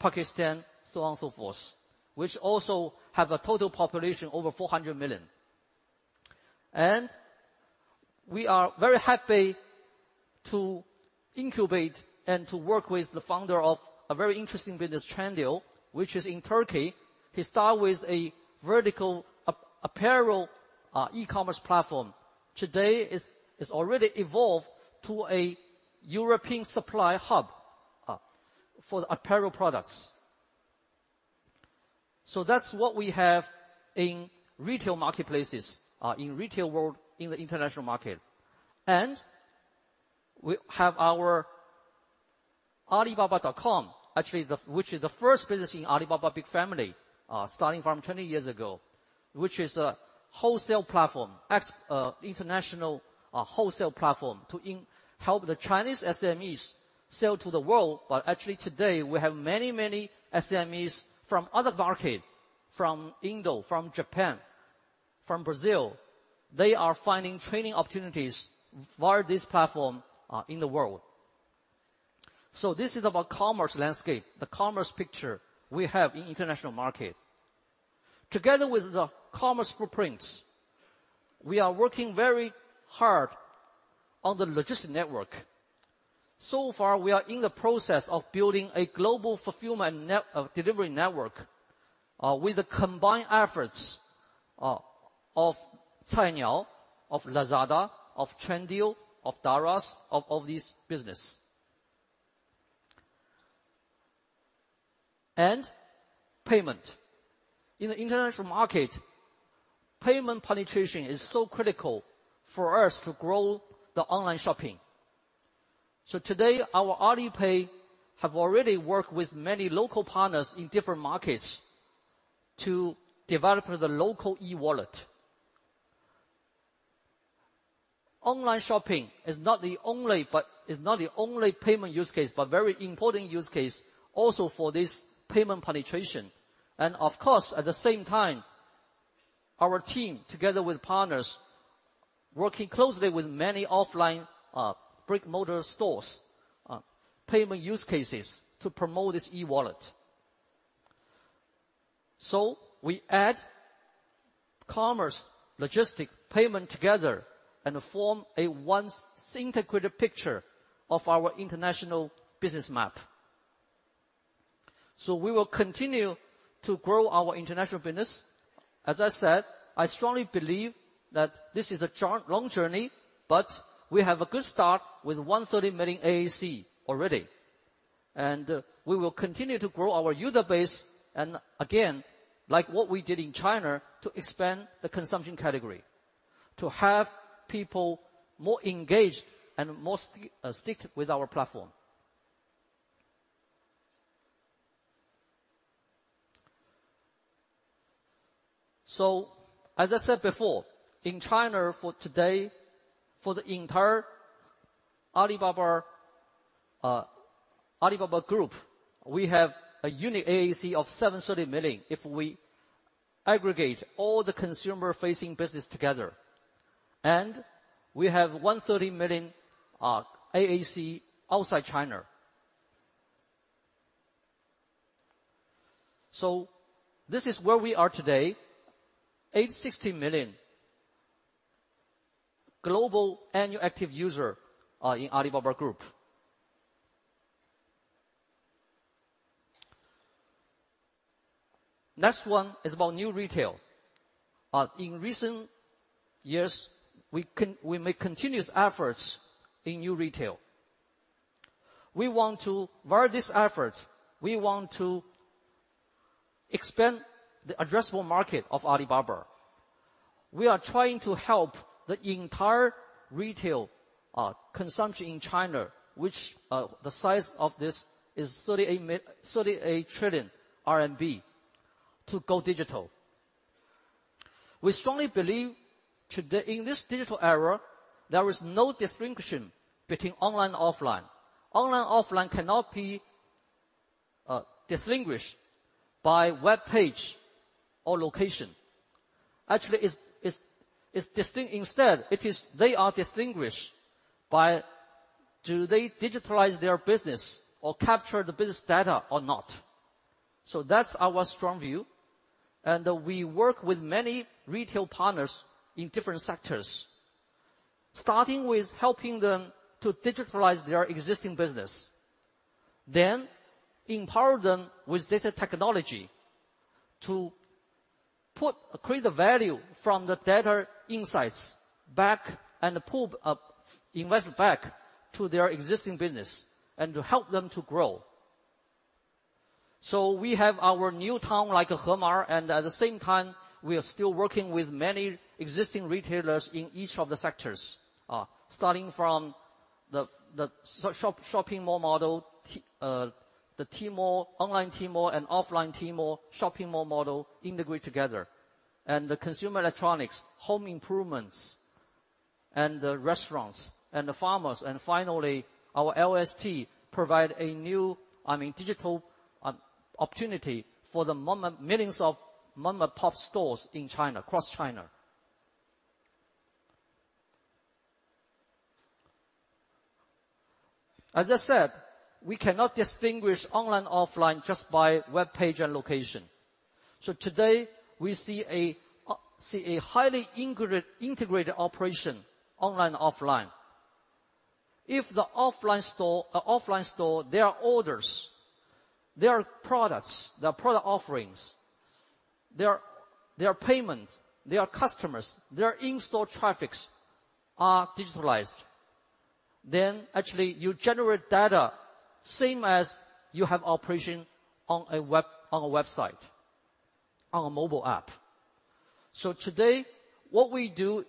Pakistan, so on and so forth, which also have a total population over 400 million. We are very happy to incubate and to work with the founder of a very interesting business, Trendyol, which is in Turkey. He start with a vertical apparel e-commerce platform. Today, it's already evolved to a European supply hub for the apparel products. That's what we have in retail marketplaces, in retail world, in the international market. We have our alibaba.com, actually, which is the first business in Alibaba big family, starting from 20 years ago, which is a wholesale platform, international wholesale platform to help the Chinese SMEs sell to the world. Actually today, we have many SMEs from other market. From Indo, from Japan, from Brazil. They are finding trading opportunities via this platform in the world. This is about commerce landscape, the commerce picture we have in international market. Together with the commerce footprints, we are working very hard on the logistics network. We are in the process of building a global fulfillment delivery network, with the combined efforts of Cainiao, of Lazada, of Trendyol, of Daraz, of all these business. Payment. In the international market, payment penetration is so critical for us to grow the online shopping. Our Alipay have already worked with many local partners in different markets to develop the local e-wallet. Online shopping is not the only payment use case, but very important use case, also for this payment penetration. At the same time, our team, together with partners, working closely with many offline, brick motor stores, payment use cases to promote this e-wallet. We add commerce, logistic, payment together and form a one integrated picture of our international business map. We will continue to grow our international business. As I said, I strongly believe that this is a long journey, but we have a good start with 130 million AAC already. We will continue to grow our user base and, again, like what we did in China, to expand the consumption category, to have people more engaged and more stick with our platform. As I said before, in China for today, for the entire Alibaba Group, we have a unique AAC of 730 million, if we aggregate all the consumer-facing business together. We have 130 million AAC outside China. This is where we are today. 860 million global annual active user in Alibaba Group. Next one is about New Retail. In recent years, we make continuous efforts in New Retail. Via this effort, we want to expand the addressable market of Alibaba. We are trying to help the entire retail consumption in China, which the size of this is 38 trillion RMB, to go digital. We strongly believe in this digital era, there is no distinction between online and offline. Online and offline cannot be distinguished by webpage or location. Actually, instead, they are distinguished by, do they digitalize their business or capture the business data or not? That's our strong view. We work with many retail partners in different sectors, starting with helping them to digitalize their existing business, then empower them with data technology to create the value from the data insights back and invest back to their existing business and to help them to grow. We have our new town, like a Hema, and at the same time, we are still working with many existing retailers in each of the sectors. Starting from the shopping mall model, the online Tmall and offline Tmall, shopping mall model integrate together. The consumer electronics, home improvements, and restaurants, and the farmers. Finally, our LST provide a new digital opportunity for the millions of mom-and-pop stores in China, across China. As I said, we cannot distinguish online and offline just by webpage and location. Today, we see a highly integrated operation, online and offline. If the offline store, their orders, their products, their product offerings, their payment, their customers, their in-store traffics are digitalized, then actually you generate data same as you have operation on a website, on a mobile app. Today, what we do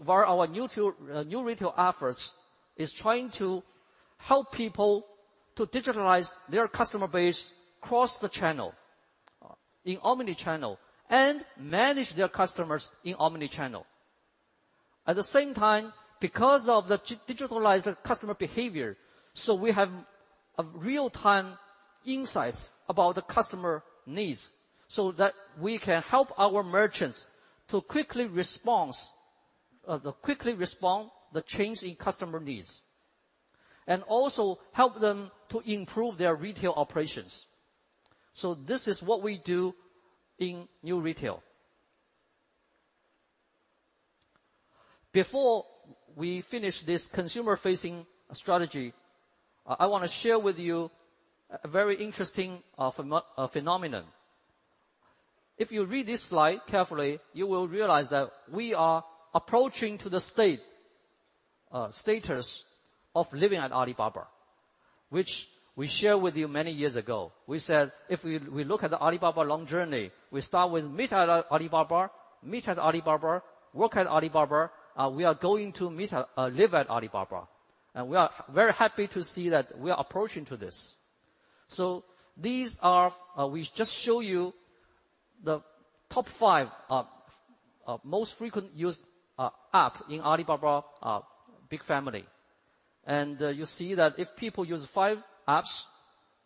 via our New Retail efforts is trying to help people to digitalize their customer base across the channel, in omni-channel, and manage their customers in omni-channel. At the same time, because of the digitalized customer behavior, we have a real-time insights about the customer needs, that we can help our merchants to quickly respond the change in customer needs, also help them to improve their retail operations. This is what we do in New Retail. Before we finish this consumer-facing strategy, I want to share with you a very interesting phenomenon. If you read this slide carefully, you will realize that we are approaching to the status of living at Alibaba, which we shared with you many years ago. We said, if we look at Alibaba long journey, we start with meet at Alibaba, work at Alibaba. We are going to live at Alibaba, we are very happy to see that we are approaching to this. We just show you the top five most frequent used app in Alibaba Digital Economy. You see that if people use five apps,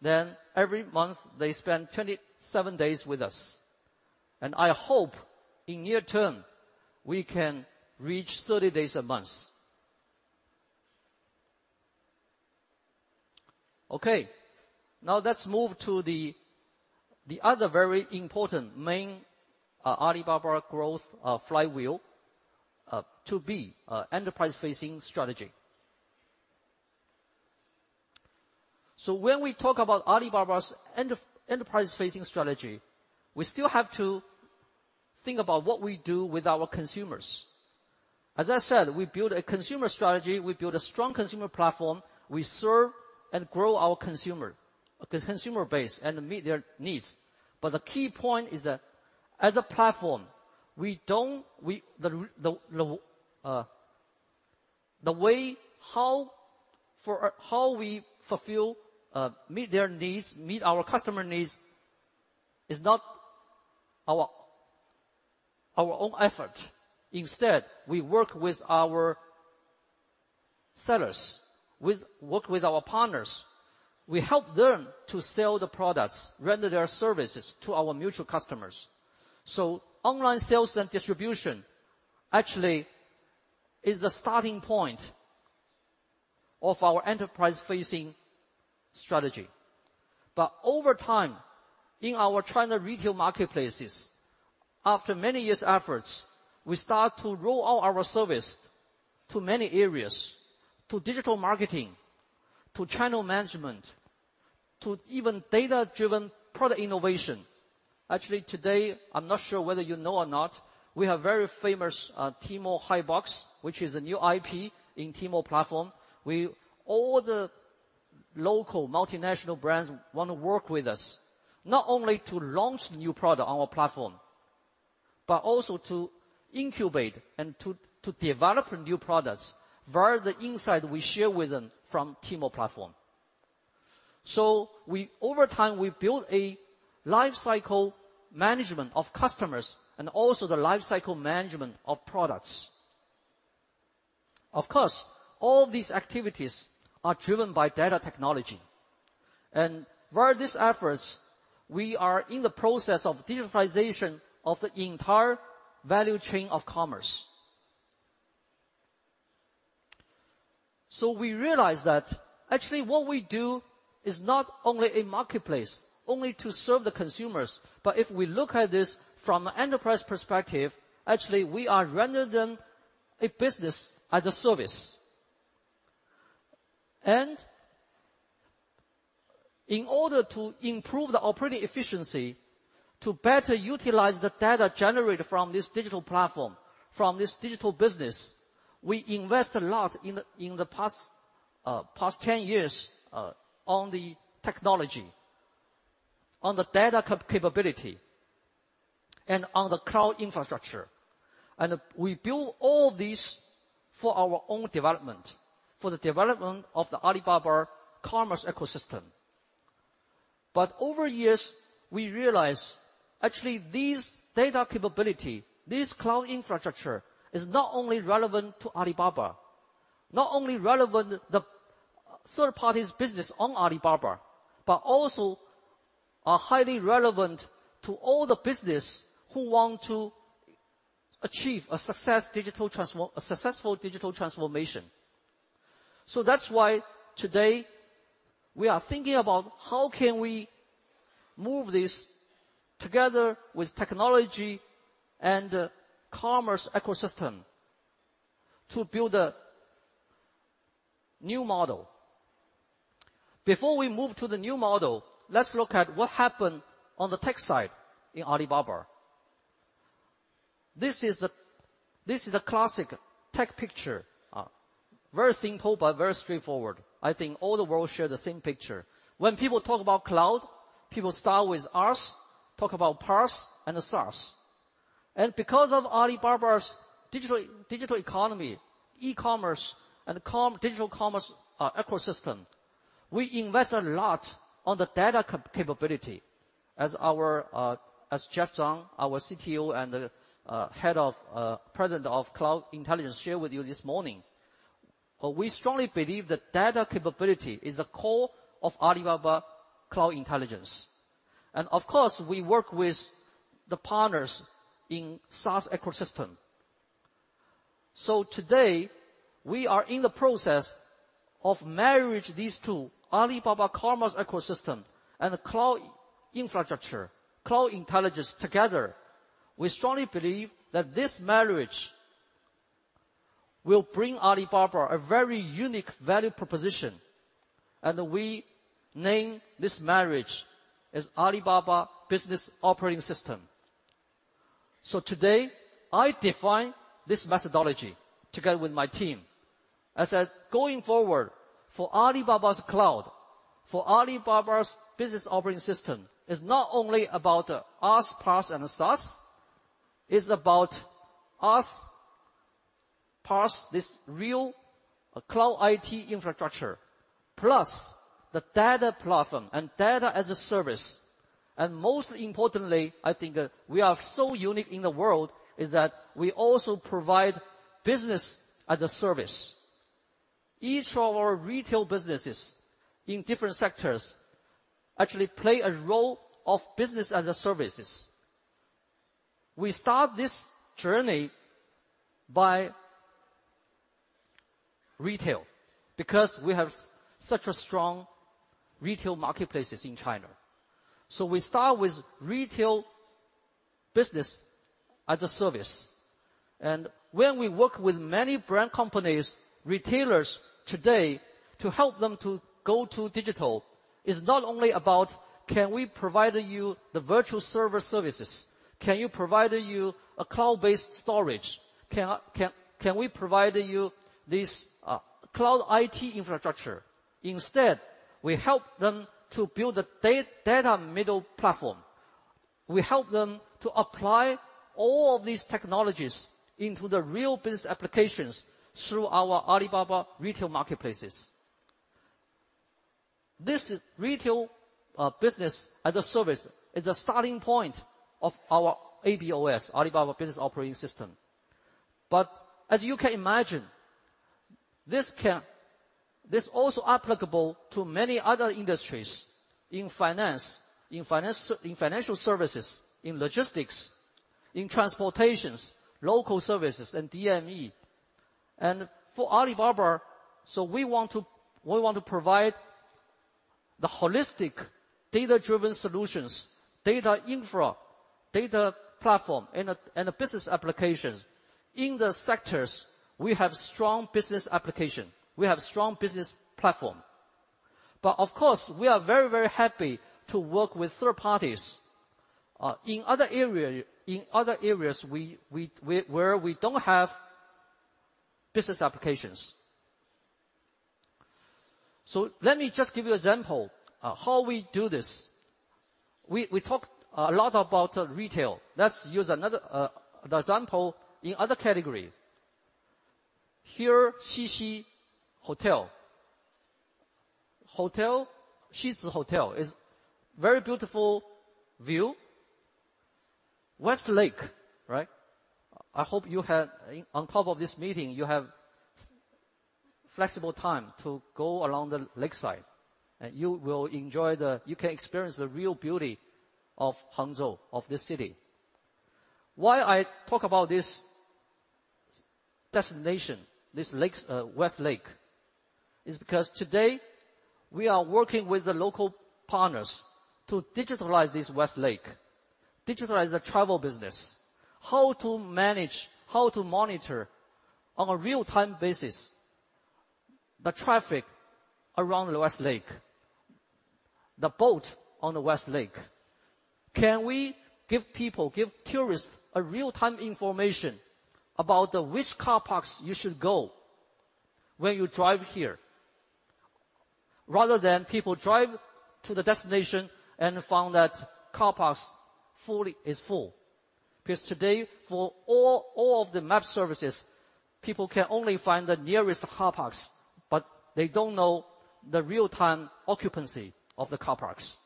then every month they spend 27 days with us. I hope in near term, we can reach 30 days a month. Okay. Now let's move to the other very important main Alibaba Group growth flywheel, 2B enterprise-facing strategy. When we talk about Alibaba Group's enterprise-facing strategy, we still have to think about what we do with our consumers. As I said, we build a consumer strategy. We build a strong consumer platform. We serve and grow our consumer base, and meet their needs. The key point is that as a platform, how we fulfill, meet their needs, meet our customer needs, is not our own effort. Instead, we work with our sellers, work with our partners. We help them to sell the products, render their services to our mutual customers. online sales and distribution actually is the starting point of our enterprise-facing strategy. over time, in our China retail marketplaces, after many years' efforts, we start to roll out our service to many areas, to digital marketing, to channel management, to even data-driven product innovation. Actually today, I'm not sure whether you know or not, we have very famous Tmall Hey Box, which is a new IP in Tmall platform. All the local multinational brands want to work with us, not only to launch new product on our platform, but also to incubate and to develop new products via the insight we share with them from Tmall platform. over time, we built a life cycle management of customers and also the life cycle management of products. All these activities are driven by data technology. Via these efforts, we are in the process of digitalization of the entire value chain of commerce. We realize that actually what we do is not only a marketplace, only to serve the consumers. If we look at this from enterprise perspective, actually we are rendering a business as a service. In order to improve the operating efficiency, to better utilize the data generated from this digital platform, from this digital business, we invest a lot in the past 10 years on the technology, on the data capability, and on the cloud infrastructure. We build all this for our own development, for the development of the Alibaba commerce ecosystem. Over years, we realize actually this data capability, this cloud infrastructure, is not only relevant to Alibaba, not only relevant the third party's business on Alibaba, but also are highly relevant to all the business who want to achieve a successful digital transformation. That's why today we are thinking about how can we move this together with technology and commerce ecosystem to build a new model. Before we move to the new model, let's look at what happened on the tech side in Alibaba. This is a classic tech picture. Very simple, but very straightforward. I think all the world share the same picture. When people talk about cloud, people start with IaaS, talk about PaaS and the SaaS. Because of Alibaba's Digital Economy, e-commerce, and digital commerce ecosystem, we invest a lot on the data capability as Jeff Zhang, our CTO and President of Alibaba Cloud Intelligence shared with you this morning. We strongly believe that data capability is the core of Alibaba Cloud Intelligence. Of course, we work with the partners in SaaS ecosystem. Today, we are in the process of marriage these two, Alibaba commerce ecosystem and Cloud Infrastructure, Alibaba Cloud Intelligence together. We strongly believe that this marriage will bring Alibaba a very unique value proposition, and we name this marriage as Alibaba Business Operating System. Today, I define this methodology together with my team. I said, going forward, for Alibaba Cloud, for Alibaba Business Operating System, it's not only about us PaaS and the SaaS, it's about us PaaS, this real Cloud IT infrastructure, plus the data platform and data as a service. Most importantly, I think we are so unique in the world is that we also provide business as a service. Each of our retail businesses in different sectors actually play a role of business as a service. We start this journey by retail because we have such a strong retail marketplaces in China. We start with retail business as a service. When we work with many brand companies, retailers today, to help them to go to digital, it's not only about can we provide you the virtual server services? Can you provide you a cloud-based storage? Can we provide you this Cloud IT infrastructure? Instead, we help them to build a data middle platform. We help them to apply all of these technologies into the real business applications through our Alibaba retail marketplaces. This retail business as a service is a starting point of our ABOS, Alibaba Business Operating System. As you can imagine, this also applicable to many other industries in finance, in financial services, in logistics, in transportation, local services, and DME. For Alibaba, we want to provide the holistic data-driven solutions, data infra, data platform, and a business applications. In the sectors, we have strong business application. We have strong business platform. Of course, we are very, very happy to work with third parties. In other areas where we don't have business applications. Let me just give you example how we do this. We talked a lot about retail. Let's use another example in other category. Here, Xixi Hotel. Xixi Hotel is very beautiful view. West Lake, right? I hope on top of this meeting, you have flexible time to go along the lakeside, and you can experience the real beauty of Hangzhou, of this city. Why I talk about this destination, this West Lake, is because today, we are working with the local partners to digitalize this West Lake, digitalize the travel business. How to manage, how to monitor on a real-time basis the traffic around the West Lake, the boat on the West Lake. Can we give people, give tourists a real-time information about which car parks you should go when you drive here? Rather than people drive to the destination and found that car parks is full. Because today, for all of the map services, people can only find the nearest car parks, but they don't know the real-time occupancy of the car parks.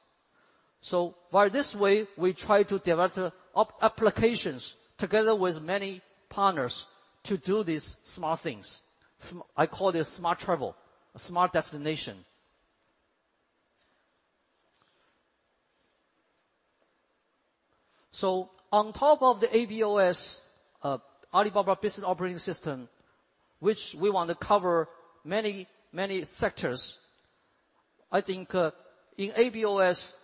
By this way, we try to develop applications together with many partners to do these smart things. I call this smart travel, a smart destination. On top of the ABOS, Alibaba Business Operating System, which we want to cover many sectors. In ABOS,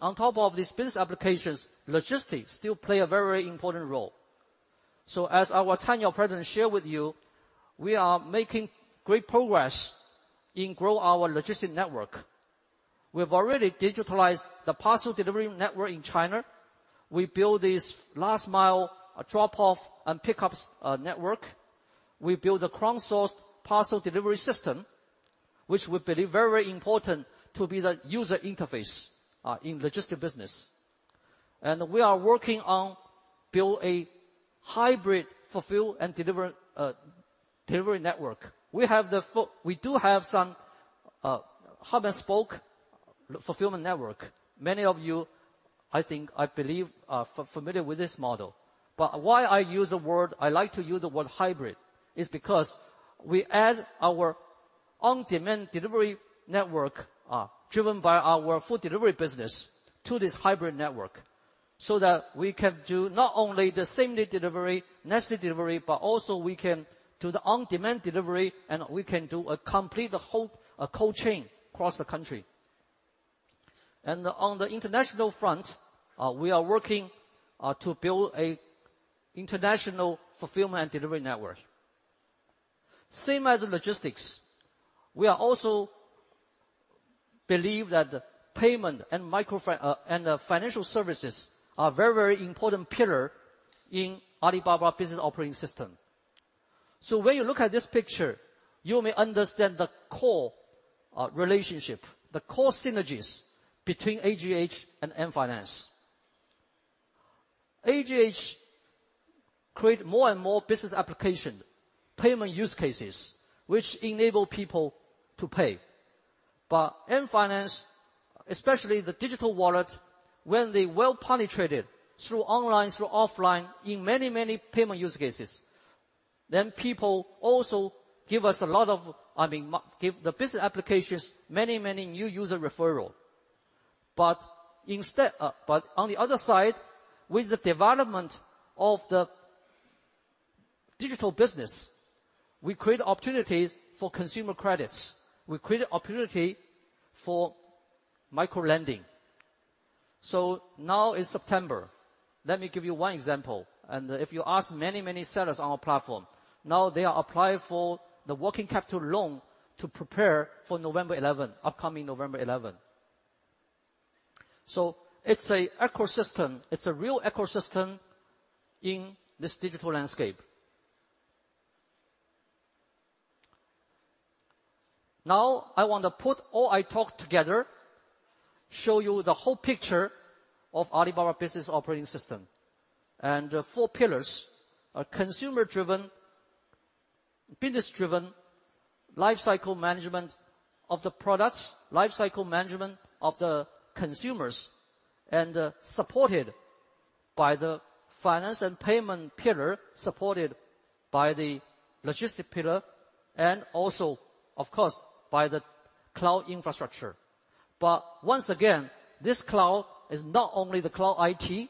on top of these business applications, logistics still play a very important role. As our Daniel President shared with you, we are making great progress in grow our logistics network. We have already digitalized the parcel delivery network in China. We built this last mile drop-off and pick-up network. We built a crowdsourced parcel delivery system, which we believe very important to be the user interface, in logistics business. We are working on build a hybrid fulfill and delivery network. We do have some hub and spoke fulfillment network. Many of you, I think, I believe, are familiar with this model. Why I like to use the word hybrid is because we add our on-demand delivery network, driven by our food delivery business, to this hybrid network, so that we can do not only the same-day delivery, next-day delivery, but also we can do the on-demand delivery, and we can do a complete whole cold chain across the country. On the international front, we are working to build an international fulfillment delivery network. Same as logistics, we also believe that payment and financial services are very important pillar in Alibaba Business Operating System. When you look at this picture, you may understand the core relationship, the core synergies between Alibaba Group and Ant Financial. Alibaba Group create more and more business application, payment use cases, which enable people to pay. Ant Financial, especially the digital wallet, when they well penetrated through online, through offline in many payment use cases, people also give the business applications many new user referral. On the other side, with the development of the digital business, we create opportunities for consumer credits. We create opportunity for micro-lending. Now in September, let me give you one example. If you ask many sellers on our platform, now they are applying for the working capital loan to prepare for upcoming November 11. It's a real ecosystem in this digital landscape. Now, I want to put all I talked together, show you the whole picture of Alibaba Business Operating System. The four pillars are consumer-driven, business-driven, life cycle management of the products, life cycle management of the consumers, and supported by the finance and payment pillar, supported by the logistic pillar and also, of course, by the cloud infrastructure. Once again, this cloud is not only the cloud IT,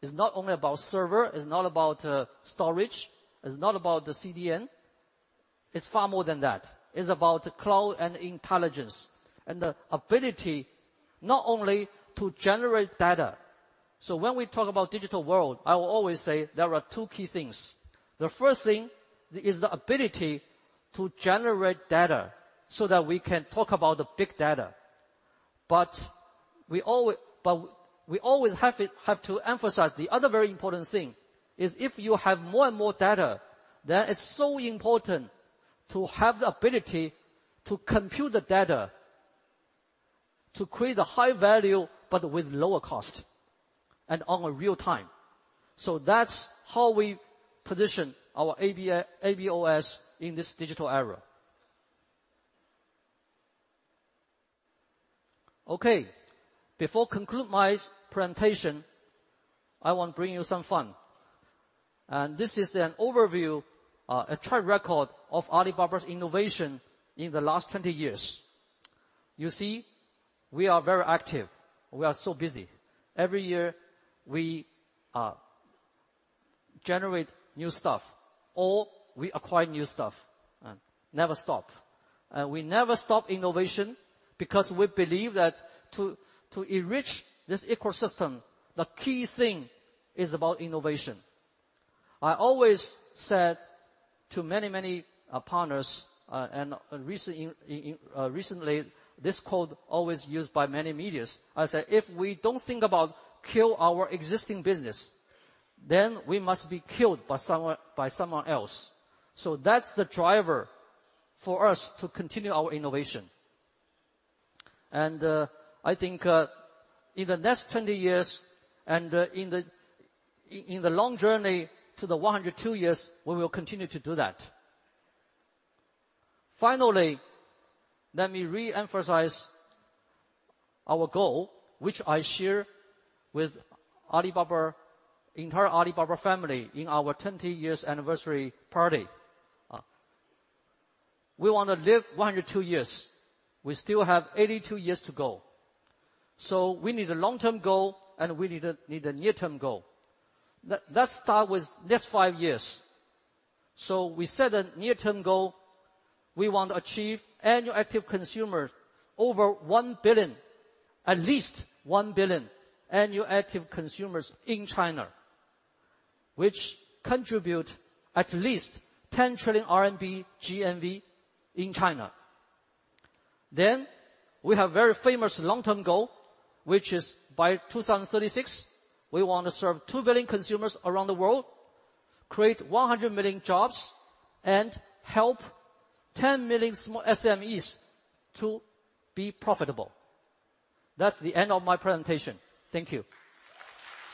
is not only about server, is not about storage, is not about the CDN. It's far more than that. It's about cloud and intelligence, and the ability not only to generate data. When we talk about digital world, I will always say there are two key things. The first thing is the ability to generate data so that we can talk about the big data. We always have to emphasize the other very important thing, is if you have more and more data, then it's so important to have the ability to compute the data, to create a high value but with lower cost and on a real-time. That's how we position our ABOS in this digital era. Okay. Before conclude my presentation, I want to bring you some fun. This is an overview, a track record of Alibaba's innovation in the last 20 years. You see, we are very active. We are so busy. Every year, we generate new stuff or we acquire new stuff. Never stop. We never stop innovation because we believe that to enrich this ecosystem, the key thing is about innovation. I always said to many partners, and recently, this quote always used by many medias, I said, "If we don't think about kill our existing business, then we must be killed by someone else." That's the driver for us to continue our innovation. I think in the next 20 years and in the long journey to the 102 years, we will continue to do that. Finally, let me re-emphasize our goal, which I share with entire Alibaba family in our 20 years anniversary party. We want to live 102 years. We still have 82 years to go. We need a long-term goal and we need a near-term goal. Let's start with next five years. We set a near-term goal. We want to achieve annual active consumer over 1 billion, at least 1 billion annual active consumers in China, which contribute at least 10 trillion RMB GMV in China. We have very famous long-term goal, which is by 2036, we want to serve 2 billion consumers around the world, create 100 million jobs, and help 10 million SMEs to be profitable. That's the end of my presentation. Thank you.